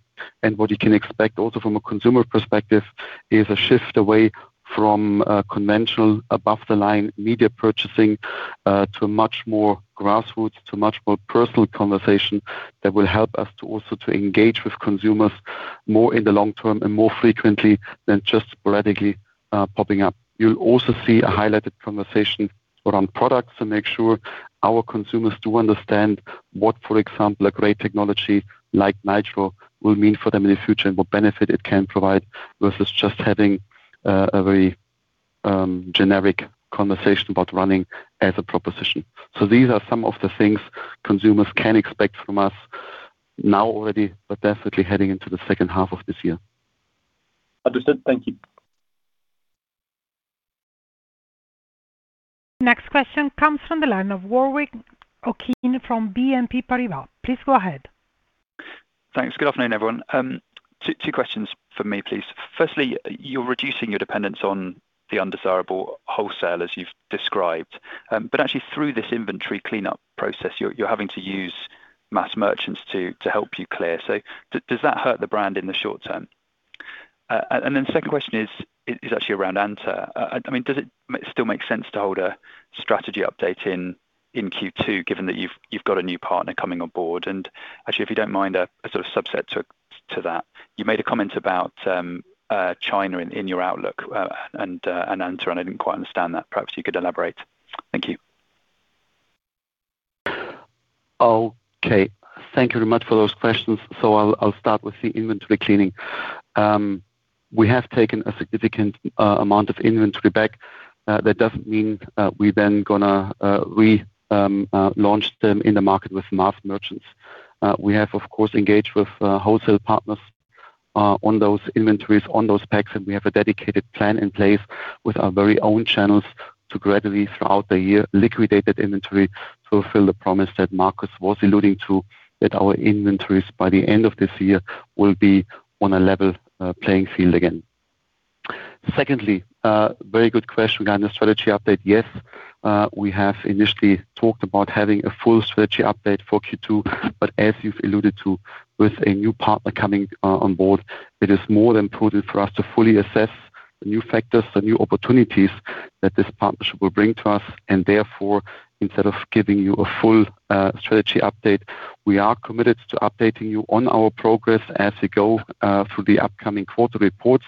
What you can expect also from a consumer perspective is a shift away from conventional, above-the-line media purchasing, to a much more grassroots, to much more personal conversation that will help us to also to engage with consumers more in the long term and more frequently than just sporadically popping up. You'll also see a highlighted conversation around products to make sure our consumers do understand what, for example, a great technology like NITRO will mean for them in the future and what benefit it can provide, versus just having a very generic conversation about running as a proposition. These are some of the things consumers can expect from us now, already, but definitely heading into the second half of this year. Understood. Thank you. Next question comes from the line of Warwick Okines from BNP Paribas. Please go ahead. Thanks. Good afternoon, everyone. Two questions from me, please. Firstly, you're reducing your dependence on the undesirable wholesale, as you've described, but actually, through this inventory cleanup process, you're having to use mass merchants to help you clear. Does that hurt the brand in the short term? Second question is actually around ANTA. I mean, does it still make sense to hold a strategy update in Q2, given that you've got a new partner coming on board? Actually, if you don't mind, a sort of subset to that. You made a comment about China in your outlook and ANTA, and I didn't quite understand that. Perhaps you could elaborate. Thank you. Okay. Thank you very much for those questions. I'll start with the inventory cleaning. We have taken a significant amount of inventory back. That doesn't mean we're then gonna relaunch them in the market with mass merchants. We have, of course, engaged with wholesale partners on those inventories, on those packs, and we have a dedicated plan in place with our very own channels to gradually, throughout the year, liquidate that inventory, fulfill the promise that Markus was alluding to, that our inventories, by the end of this year, will be on a level playing field again. Secondly, very good question regarding the strategy update. Yes, we have initially talked about having a full strategy update for Q2, but as you've alluded to, with a new partner coming on board, it is more than important for us to fully assess the new factors, the new opportunities that this partnership will bring to us, and therefore, instead of giving you a full strategy update, we are committed to updating you on our progress as we go through the upcoming quarter reports.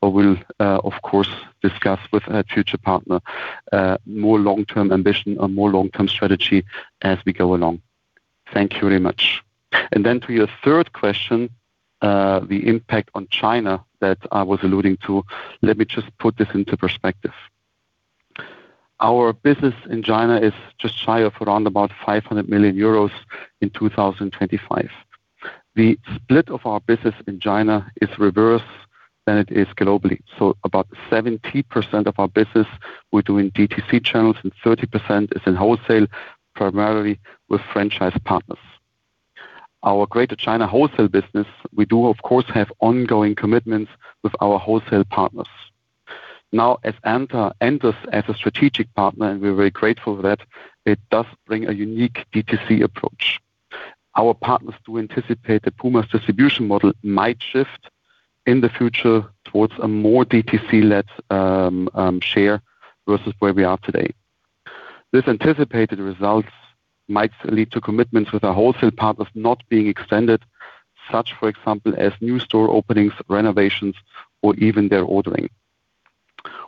We'll, of course, discuss with our future partner, more long-term ambition and more long-term strategy as we go along. Thank you very much. To your third question, the impact on China that I was alluding to, let me just put this into perspective. Our business in China is just shy of around about 500 million euros in 2025. The split of our business in China is reverse than it is globally. About 70% of our business, we do in DTC channels and 30% is in wholesale, primarily with franchise partners. Our Greater China wholesale business, we do, of course, have ongoing commitments with our wholesale partners. As ANTA enters as a strategic partner, and we're very grateful for that, it does bring a unique DTC approach. Our partners do anticipate that PUMA's distribution model might shift in the future towards a more DTC-led share versus where we are today. These anticipated results might lead to commitments with our wholesale partners not being extended, such, for example, as new store openings, renovations, or even their ordering.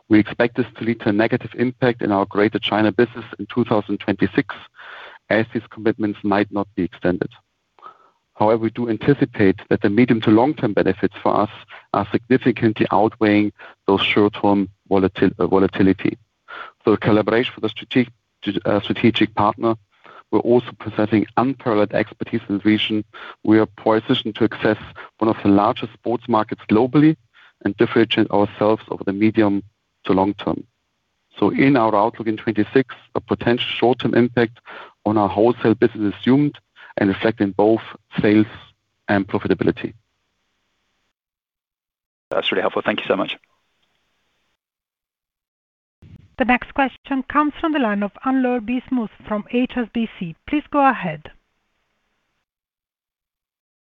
We expect this to lead to a negative impact in our Greater China business in 2026, as these commitments might not be extended. We do anticipate that the medium to long-term benefits for us are significantly outweighing those short-term volatility. In collaboration with the strategic partner, we're also presenting unparalleled expertise in the region. We are positioned to access one of the largest sports markets globally and differentiate ourselves over the medium to long term. In our outlook in 2026, a potential short-term impact on our wholesale business is assumed and reflected in both sales and profitability. That's really helpful. Thank you so much. The next question comes from the line of Anne-Laure Bismuth from HSBC. Please go ahead.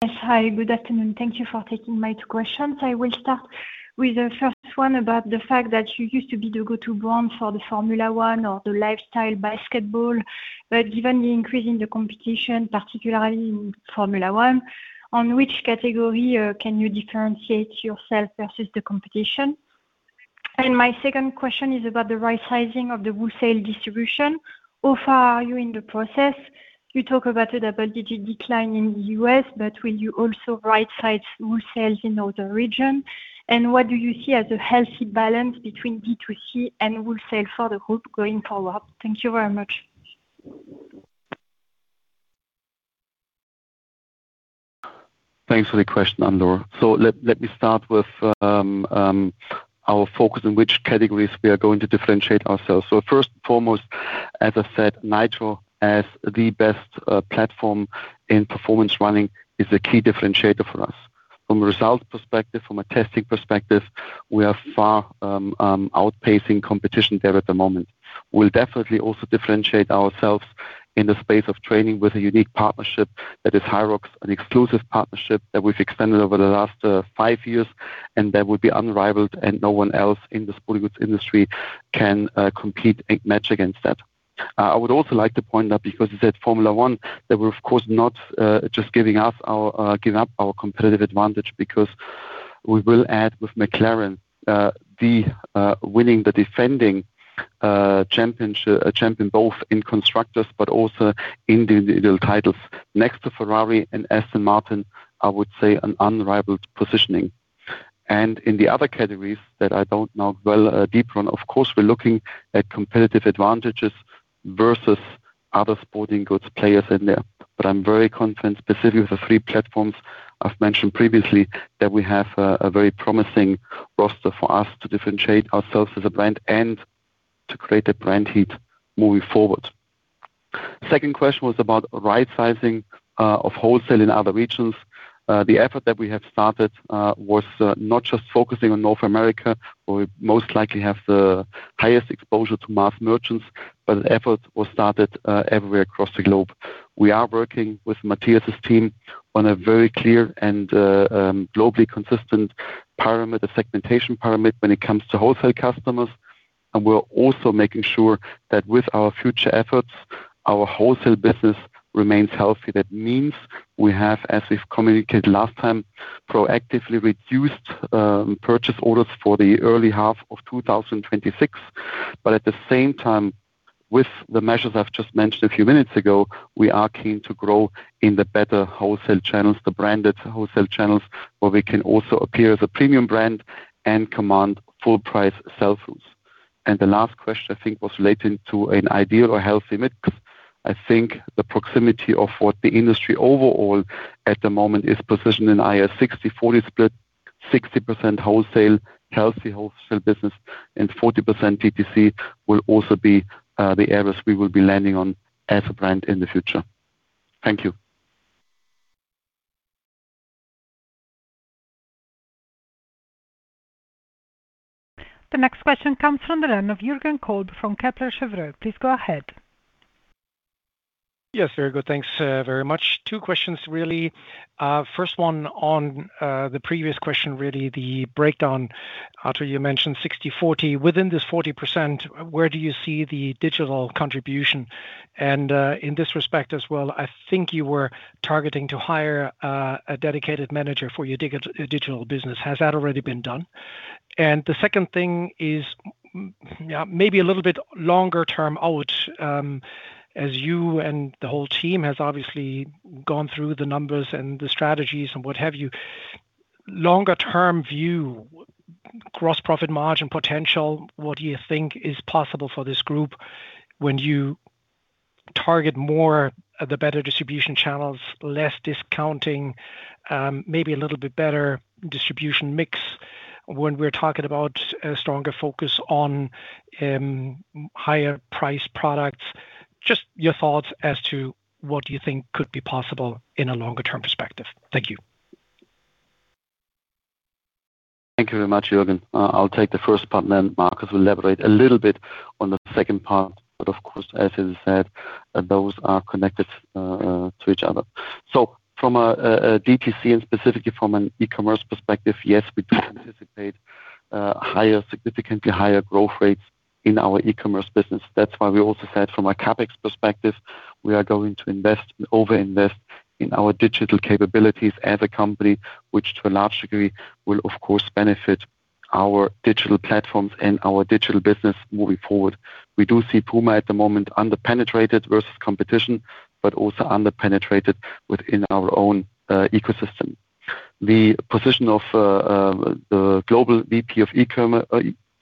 Yes. Hi, good afternoon. Thank you for taking my two questions. I will start with the first one about the fact that you used to be the go-to brand for the Formula 1 or the lifestyle basketball, given the increase in the competition, particularly in Formula 1, on which category can you differentiate yourself versus the competition? My second question is about the right sizing of the wholesale distribution. How far are you in the process? You talk about a double-digit decline in the U.S., will you also rightsize wholesales in other region? What do you see as a healthy balance between B2C and wholesale for the group going forward? Thank you very much. Thanks for the question, Anne-Laure. Let me start with our focus on which categories we are going to differentiate ourselves. First and foremost, as I said, NITRO, as the best platform in performance running, is a key differentiator for us. From a results perspective, from a testing perspective, we are far outperforming competition there at the moment. We'll definitely also differentiate ourselves in the space of training with a unique partnership that is HYROX, an exclusive partnership that we've extended over the last five years, and that will be unrivaled, and no one else in the sporting goods industry can compete and match against that. I would also like to point out, because you said Formula 1, that we're of course not just giving up our giving up our competitive advantage, because we will add with McLaren the winning the defending championship champion both in constructors but also in the individual titles. Next to Ferrari and Aston Martin, I would say an unrivaled positioning. In the other categories that I don't know well, deeper on, of course, we're looking at competitive advantages versus other sporting goods players in there. I'm very confident, specifically with the three platforms I've mentioned previously, that we have a very promising roster for us to differentiate ourselves as a brand and to create a brand heat moving forward. Second question was about right sizing of wholesale in other regions. The effort that we have started was not just focusing on North America, where we most likely have the highest exposure to mass merchants. Effort was started everywhere across the globe. We are working with Matthias' team on a very clear and globally consistent parameter, segmentation parameter when it comes to wholesale customers, and we're also making sure that with our future efforts, our wholesale business remains healthy. That means we have, as we've communicated last time, proactively reduced purchase orders for the early half of 2026. At the same time, with the measures I've just mentioned a few minutes ago, we are keen to grow in the better wholesale channels, the branded wholesale channels, where we can also appear as a premium brand and command full price sell-throughs. The last question, I think, was relating to an ideal or healthy mix. I think the proximity of what the industry overall at the moment is positioned in is a 60/40 split, 60% wholesale, healthy wholesale business, and 40% DTC will also be the areas we will be landing on as a brand in the future. Thank you. The next question comes from the line of Jürgen Kolb from Kepler Cheuvreux. Please go ahead. Yes, very good. Thanks very much. Two questions, really. First one on the previous question, really, the breakdown. Arthur, you mentioned 60/40. Within this 40%, where do you see the digital contribution? In this respect as well, I think you were targeting to hire a dedicated manager for your digital business. Has that already been done? The second thing is, maybe a little bit longer term out, as you and the whole team has obviously gone through the numbers and the strategies and what have you. Longer term view, gross profit margin potential, what do you think is possible for this group when you target more of the better distribution channels, less discounting, maybe a little bit better distribution mix? When we're talking about a stronger focus on higher priced products, just your thoughts as to what you think could be possible in a longer term perspective. Thank you. Thank you very much, Jürgen. I'll take the first part, and then Markus will elaborate a little bit on the second part. Of course, as he said, those are connected to each other. From a DTC and specifically from an e-commerce perspective, yes, we do anticipate higher, significantly higher growth rates in our e-commerce business. That's why we also said from a CapEx perspective, we are going to invest, over-invest in our digital capabilities as a company, which to a large degree, will of course benefit our digital platforms and our digital business moving forward. We do see PUMA at the moment underpenetrated versus competition, but also underpenetrated within our own ecosystem. The position of the global VP of e-commerce,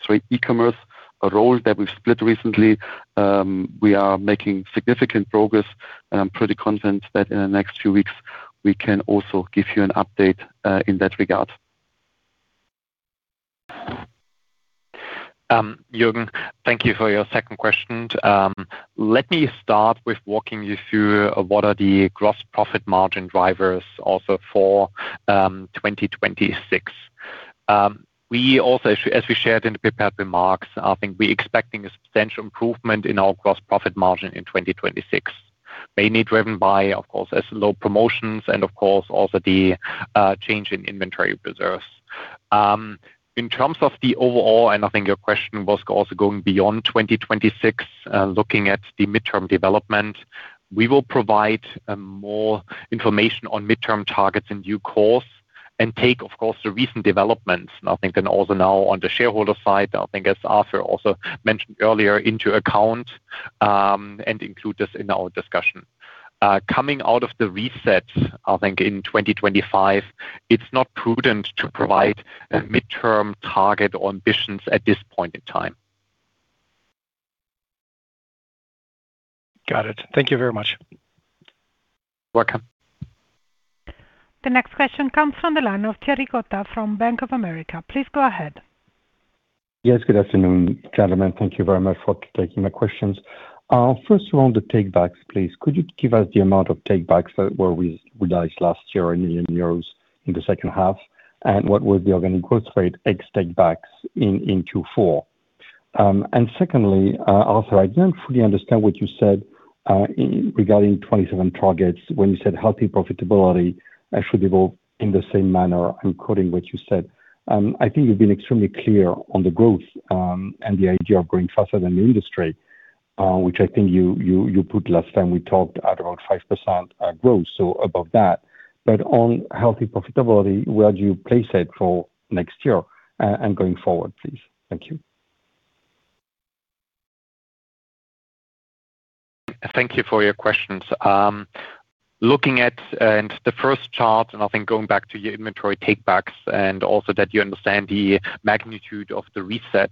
sorry, e-commerce, a role that we've split recently, we are making significant progress, and I'm pretty confident that in the next few weeks, we can also give you an update in that regard. Jürgen, thank you for your second question. Let me start with walking you through what are the gross profit margin drivers also for 2026. We also, as we shared in the prepared remarks, I think we expecting a substantial improvement in our gross profit margin in 2026. Mainly driven by, of course, as low promotions and of course, also the change in inventory reserves. In terms of the overall, and I think your question was also going beyond 2026, looking at the midterm development, we will provide more information on midterm targets in due course and take, of course, the recent developments, and I think then also now on the shareholder side, I think as Arthur also mentioned earlier, into account, and include this in our discussion. Coming out of the Reset, I think in 2025, it's not prudent to provide a midterm target or ambitions at this point in time. Got it. Thank you very much. Welcome. The next question comes from the line of Thierry Cota from Bank of America. Please go ahead. Yes, good afternoon, gentlemen. Thank you very much for taking my questions. First of all, on the takebacks, please, could you give us the amount of takebacks that were realized last year in million euros in the second half? What was the organic growth rate ex takebacks in Q4? Secondly, Arthur, I didn't fully understand what you said regarding 2027 targets when you said healthy profitability should evolve in the same manner. I'm quoting what you said. I think you've been extremely clear on the growth and the idea of growing faster than the industry, which I think you put last time we talked at about 5% growth, so above that. On healthy profitability, where do you place it for next year and going forward, please? Thank you. Thank you for your questions. Looking at the first chart, I think going back to your inventory takebacks and also that you understand the magnitude of the Reset.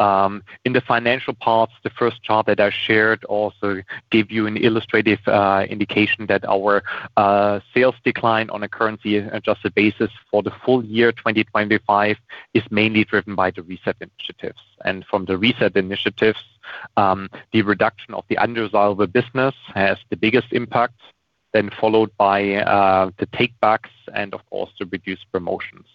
In the financial parts, the first chart that I shared also gave you an illustrative indication that our sales decline on a currency-adjusted basis for the full year 2025 is mainly driven by the Reset initiatives. From the Reset initiatives, the reduction of the undesirable business has the biggest impact, then followed by the takebacks and of course, the reduced promotions.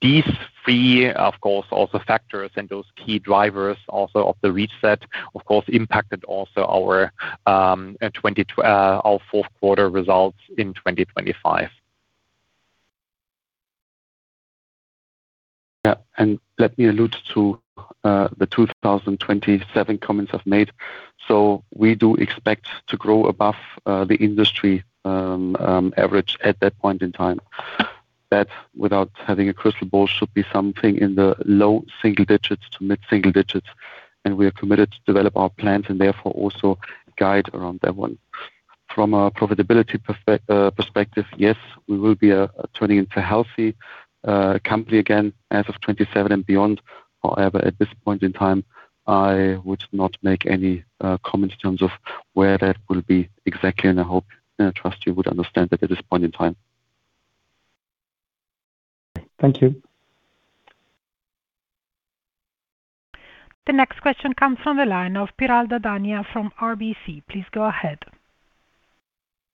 These three, of course, also factors and those key drivers also of the Reset, of course, impacted also our fourth quarter results in 2025. Let me allude to the 2027 comments I've made. We do expect to grow above the industry average at that point in time. That, without having a crystal ball, should be something in the low single digits to mid single digits, and we are committed to develop our plans and therefore also guide around that one. From a profitability perspective, yes, we will be turning into a healthy company again as of 2027 and beyond. At this point in time, I would not make any comments in terms of where that will be exactly, and I hope and I trust you would understand that at this point in time. Thank you. The next question comes from the line of Piral Dadhania from RBC. Please go ahead.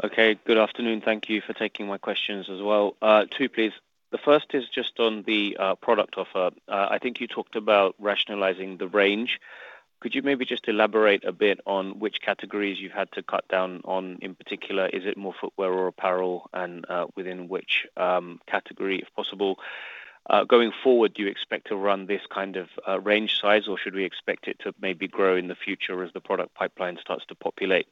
Okay, good afternoon. Thank you for taking my questions as well. Two, please. The first is just on the product offer. I think you talked about rationalizing the range. Could you maybe just elaborate a bit on which categories you had to cut down on? In particular, is it more footwear or apparel, and within which category, if possible? Going forward, do you expect to run this kind of range size, or should we expect it to maybe grow in the future as the product pipeline starts to populate?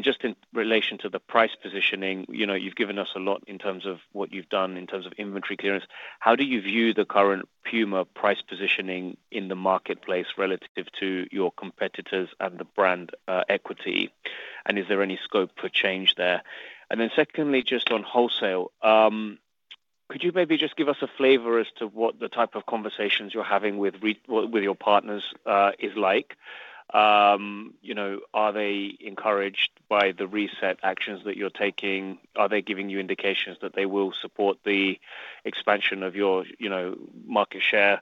Just in relation to the price positioning, you know, you've given us a lot in terms of what you've done, in terms of inventory clearance. How do you view the current PUMA price positioning in the marketplace relative to your competitors and the brand equity? Is there any scope for change there? Secondly, just on wholesale, could you maybe just give us a flavor as to what the type of conversations you're having with your partners is like? You know, are they encouraged by the Reset actions that you're taking? Are they giving you indications that they will support the expansion of your, you know, market share?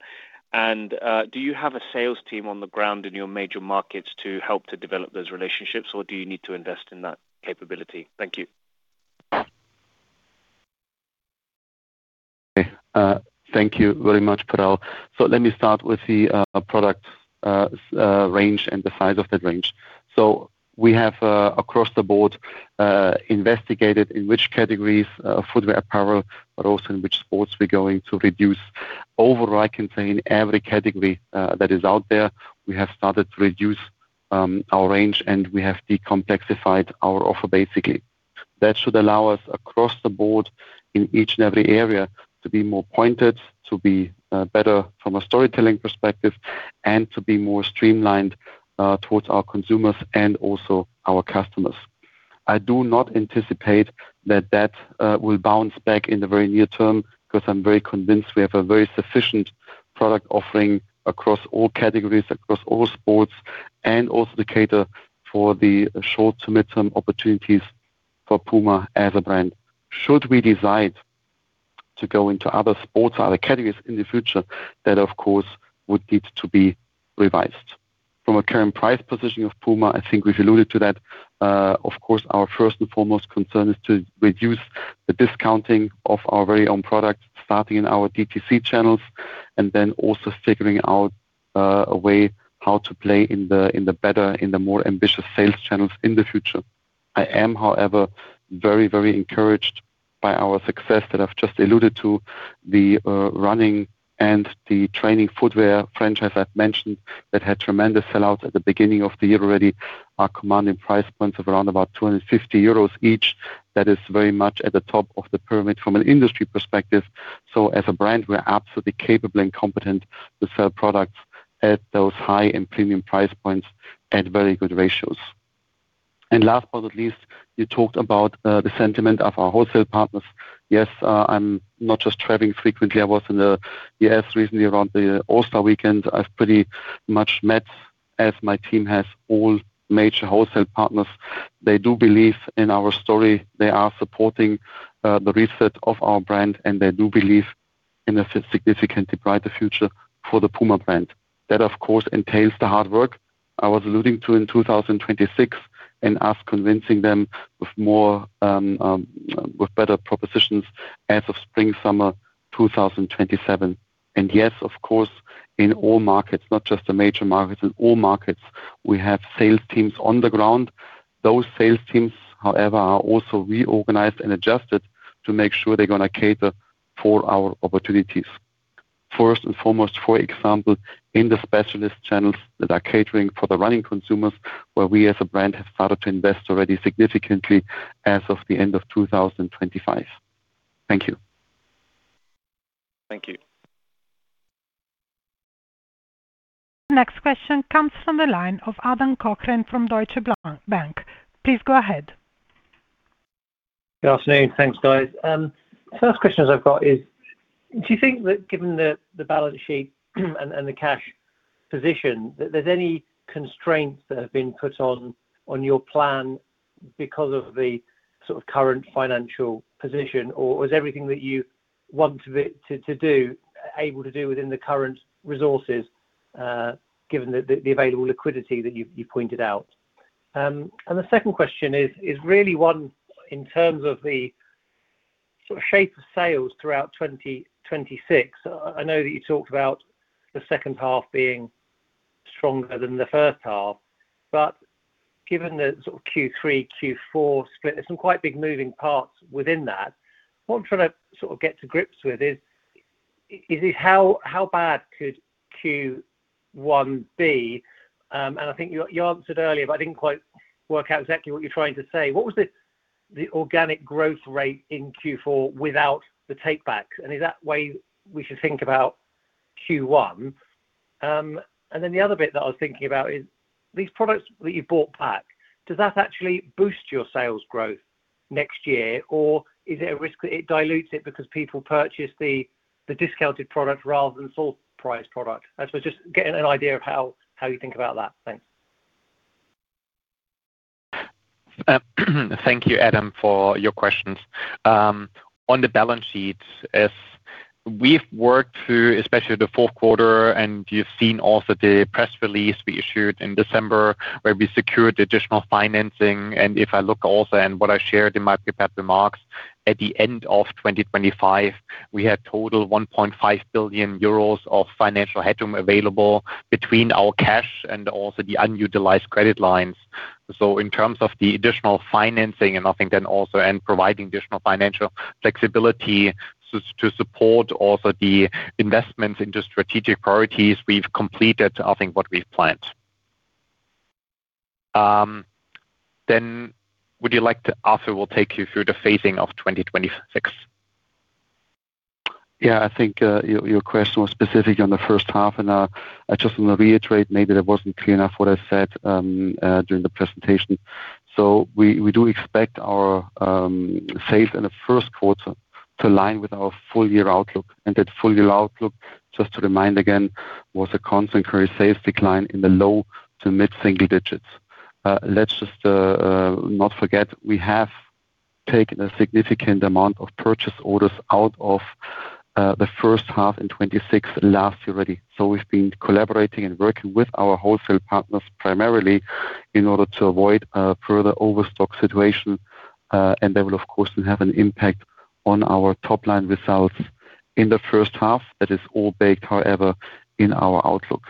Do you have a sales team on the ground in your major markets to help to develop those relationships, or do you need to invest in that capability? Thank you. Thank you very much, Piral. Let me start with the product range and the size of that range. We have across the board investigated in which categories, footwear, apparel, but also in which sports we're going to reduce. Overall, I can say in every category that is out there, we have started to reduce our range, and we have decomplexified our offer, basically. That should allow us, across the board in each and every area, to be more pointed, to be better from a storytelling perspective, and to be more streamlined towards our consumers and also our customers. I do not anticipate that will bounce back in the very near term, 'cause I'm very convinced we have a very sufficient product offering across all categories, across all sports, and also to cater for the short to midterm opportunities for PUMA as a brand. Should we decide to go into other sports or other categories in the future, that, of course, would need to be revised. From a current price position of PUMA, I think we've alluded to that. Of course, our first and foremost concern is to reduce the discounting of our very own product, starting in our DTC channels, and then also figuring out a way how to play in the better, in the more ambitious sales channels in the future. I am, however, very, very encouraged by our success that I've just alluded to, the running and the training footwear franchise I've mentioned, that had tremendous sellouts at the beginning of the year already, are commanding price points of around 250 euros each. That is very much at the top of the pyramid from an industry perspective. As a brand, we are absolutely capable and competent to sell products at those high-end premium price points at very good ratios. Last but not least, you talked about the sentiment of our wholesale partners. Yes, I'm not just traveling frequently. I was in the U.S. recently around the All-Star weekend. I've pretty much met, as my team has, all major wholesale partners. They do believe in our story. They are supporting the Reset of our brand, and they do believe in a significantly brighter future for the PUMA brand. That, of course, entails the hard work I was alluding to in 2026, and us convincing them with more with better propositions as of spring, summer 2027. Yes, of course, in all markets, not just the major markets, in all markets, we have sales teams on the ground. Those sales teams, however, are also reorganized and adjusted to make sure they're gonna cater for our opportunities. First and foremost, for example, in the specialist channels that are catering for the running consumers, where we as a brand have started to invest already significantly as of the end of 2025. Thank you. Thank you. The next question comes from the line of Adam Cochrane from Deutsche Bank. Please go ahead. Good afternoon. Thanks, guys. First question I've got is: do you think that given the balance sheet and the cash position, that there's any constraints that have been put on your plan because of the sort of current financial position, or is everything that you want to do, able to do within the current resources, given the available liquidity that you've pointed out? The second question is really one in terms of the sort of shape of sales throughout 2026. I know that you talked about the second half being stronger than the first half, but given the sort of Q3, Q4 split, there's some quite big moving parts within that. What I'm trying to sort of get to grips with is it how bad could Q1 be? I think you answered earlier, but I didn't quite work out exactly what you're trying to say. What was the organic growth rate in Q4 without the takebacks, and is that way we should think about Q1? The other bit that I was thinking about is, these products that you bought back, does that actually boost your sales growth next year, or is it a risk that it dilutes it because people purchase the discounted product rather than full priced product? I was just getting an idea of how you think about that. Thanks. Thank you, Adam, for your questions. On the balance sheet, as we've worked through, especially the fourth quarter, and you've seen also the press release we issued in December, where we secured additional financing, and if I look also and what I shared in my prepared remarks, at the end of 2025, we had total 1.5 billion euros of financial headroom available between our cash and also the unutilized credit lines. In terms of the additional financing, and I think then also, and providing additional financial flexibility so to support also the investments into strategic priorities we've completed, I think, what we've planned. Arthur will take you through the phasing of 2026. Yeah, I think your question was specific on the first half. I just want to reiterate, maybe that wasn't clear enough what I said during the presentation. We do expect our sales in the first quarter to align with our full year outlook. That full year outlook, just to remind again, was a constant currency sales decline in the low to mid-single digits. Let's just not forget, we have taken a significant amount of purchase orders out of the first half in 2026 last year already. We've been collaborating and working with our wholesale partners, primarily in order to avoid a further overstock situation, and that will, of course, have an impact on our top line results in the first half. That is all baked, however, in our outlook.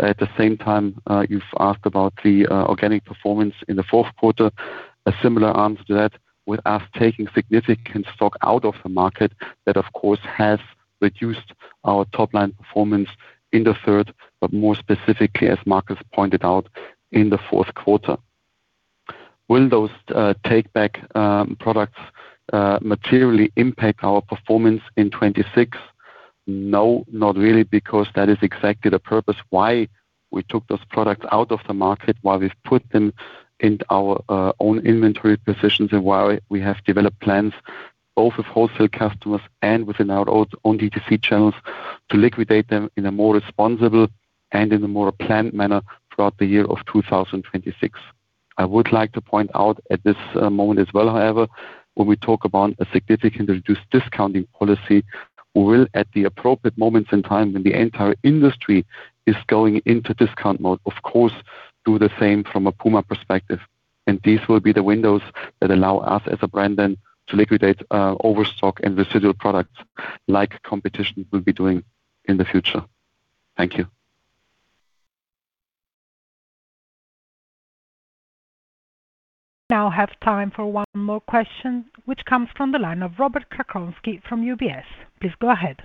At the same time, you've asked about the organic performance in the fourth quarter. A similar answer to that, with us taking significant stock out of the market, that, of course, has reduced our top line performance in the third, but more specifically, as Markus pointed out, in the fourth quarter. Will those take back products materially impact our performance in 2026? No, not really, because that is exactly the purpose why we took those products out of the market, why we've put them in our own inventory positions and why we have developed plans both with wholesale customers and within our own DTC channels, to liquidate them in a more responsible and in a more planned manner throughout the year of 2026. I would like to point out at this moment as well, however, when we talk about a significantly reduced discounting policy, we will, at the appropriate moments in time when the entire industry is going into discount mode, of course, do the same from a PUMA perspective. These will be the windows that allow us as a brand then, to liquidate overstock and residual products like competition will be doing in the future. Thank you. We now have time for one more question, which comes from the line of Robert Krakowski from UBS. Please go ahead.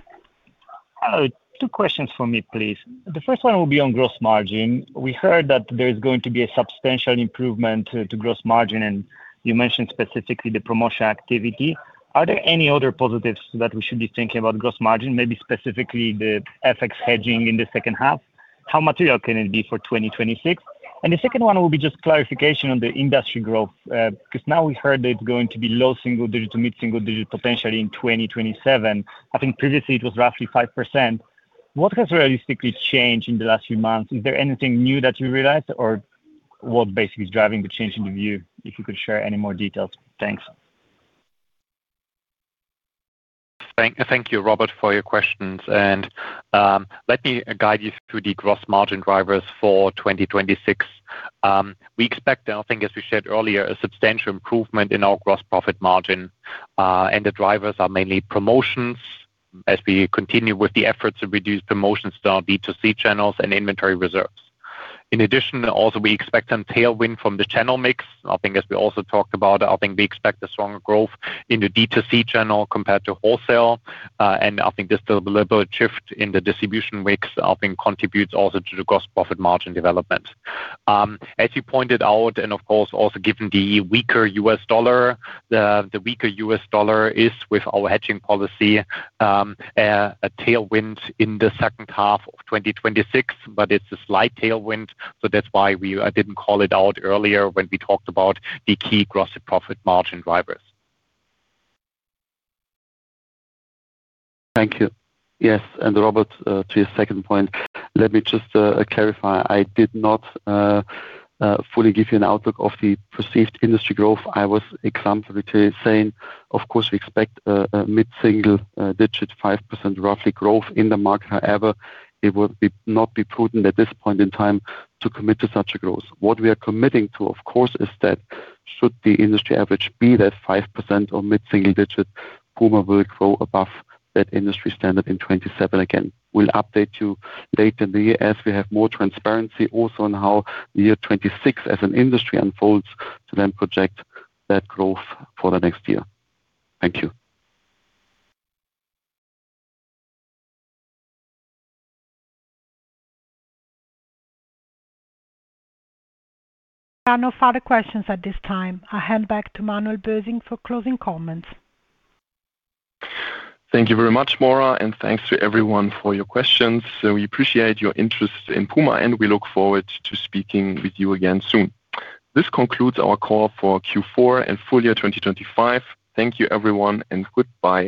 Two questions for me, please. The first one will be on gross margin. We heard that there is going to be a substantial improvement to gross margin, and you mentioned specifically the promotion activity. Are there any other positives that we should be thinking about gross margin, maybe specifically the FX hedging in the second half? How material can it be for 2026? The second one will be just clarification on the industry growth, because now we heard that it's going to be low single digit to mid single digit, potentially in 2027. I think previously it was roughly 5%. What has realistically changed in the last few months? Is there anything new that you realized or what basically is driving the change in the view? If you could share any more details. Thanks. Thank you, Robert, for your questions. Let me guide you through the gross margin drivers for 2026. We expect, I think as we said earlier, a substantial improvement in our gross profit margin. The drivers are mainly promotions as we continue with the efforts to reduce promotions to our B2C channels and inventory reserves. In addition, also we expect some tailwind from the channel mix. I think as we also talked about, I think we expect a stronger growth in the B2C channel compared to wholesale. I think there's still a little bit of shift in the distribution mix, I think contributes also to the gross profit margin development. As you pointed out, and of course, also given the weaker U.S. dollar, the weaker U.S. dollar is, with our hedging policy, a tailwind in the second half of 2026, but it's a slight tailwind, so that's why we didn't call it out earlier when we talked about the key gross and profit margin drivers. Thank you. Yes, Robert, to your second point, let me just clarify. I did not fully give you an outlook of the perceived industry growth. I was exemplarily saying, of course, we expect a mid-single digit, 5%, roughly, growth in the market. It would not be prudent at this point in time to commit to such a growth. What we are committing to, of course, is that should the industry average be that 5% or mid-single digit, PUMA will grow above that industry standard in 2027 again. We'll update you later in the year as we have more transparency also on how the year 2026 as an industry unfolds, to then project that growth for the next year. Thank you. There are no further questions at this time. I'll hand back to Manuel Bösing for closing comments. Thank you very much, Maura, and thanks to everyone for your questions. We appreciate your interest in PUMA, and we look forward to speaking with you again soon. This concludes our call for Q4 and full year 2025. Thank you, everyone, and goodbye.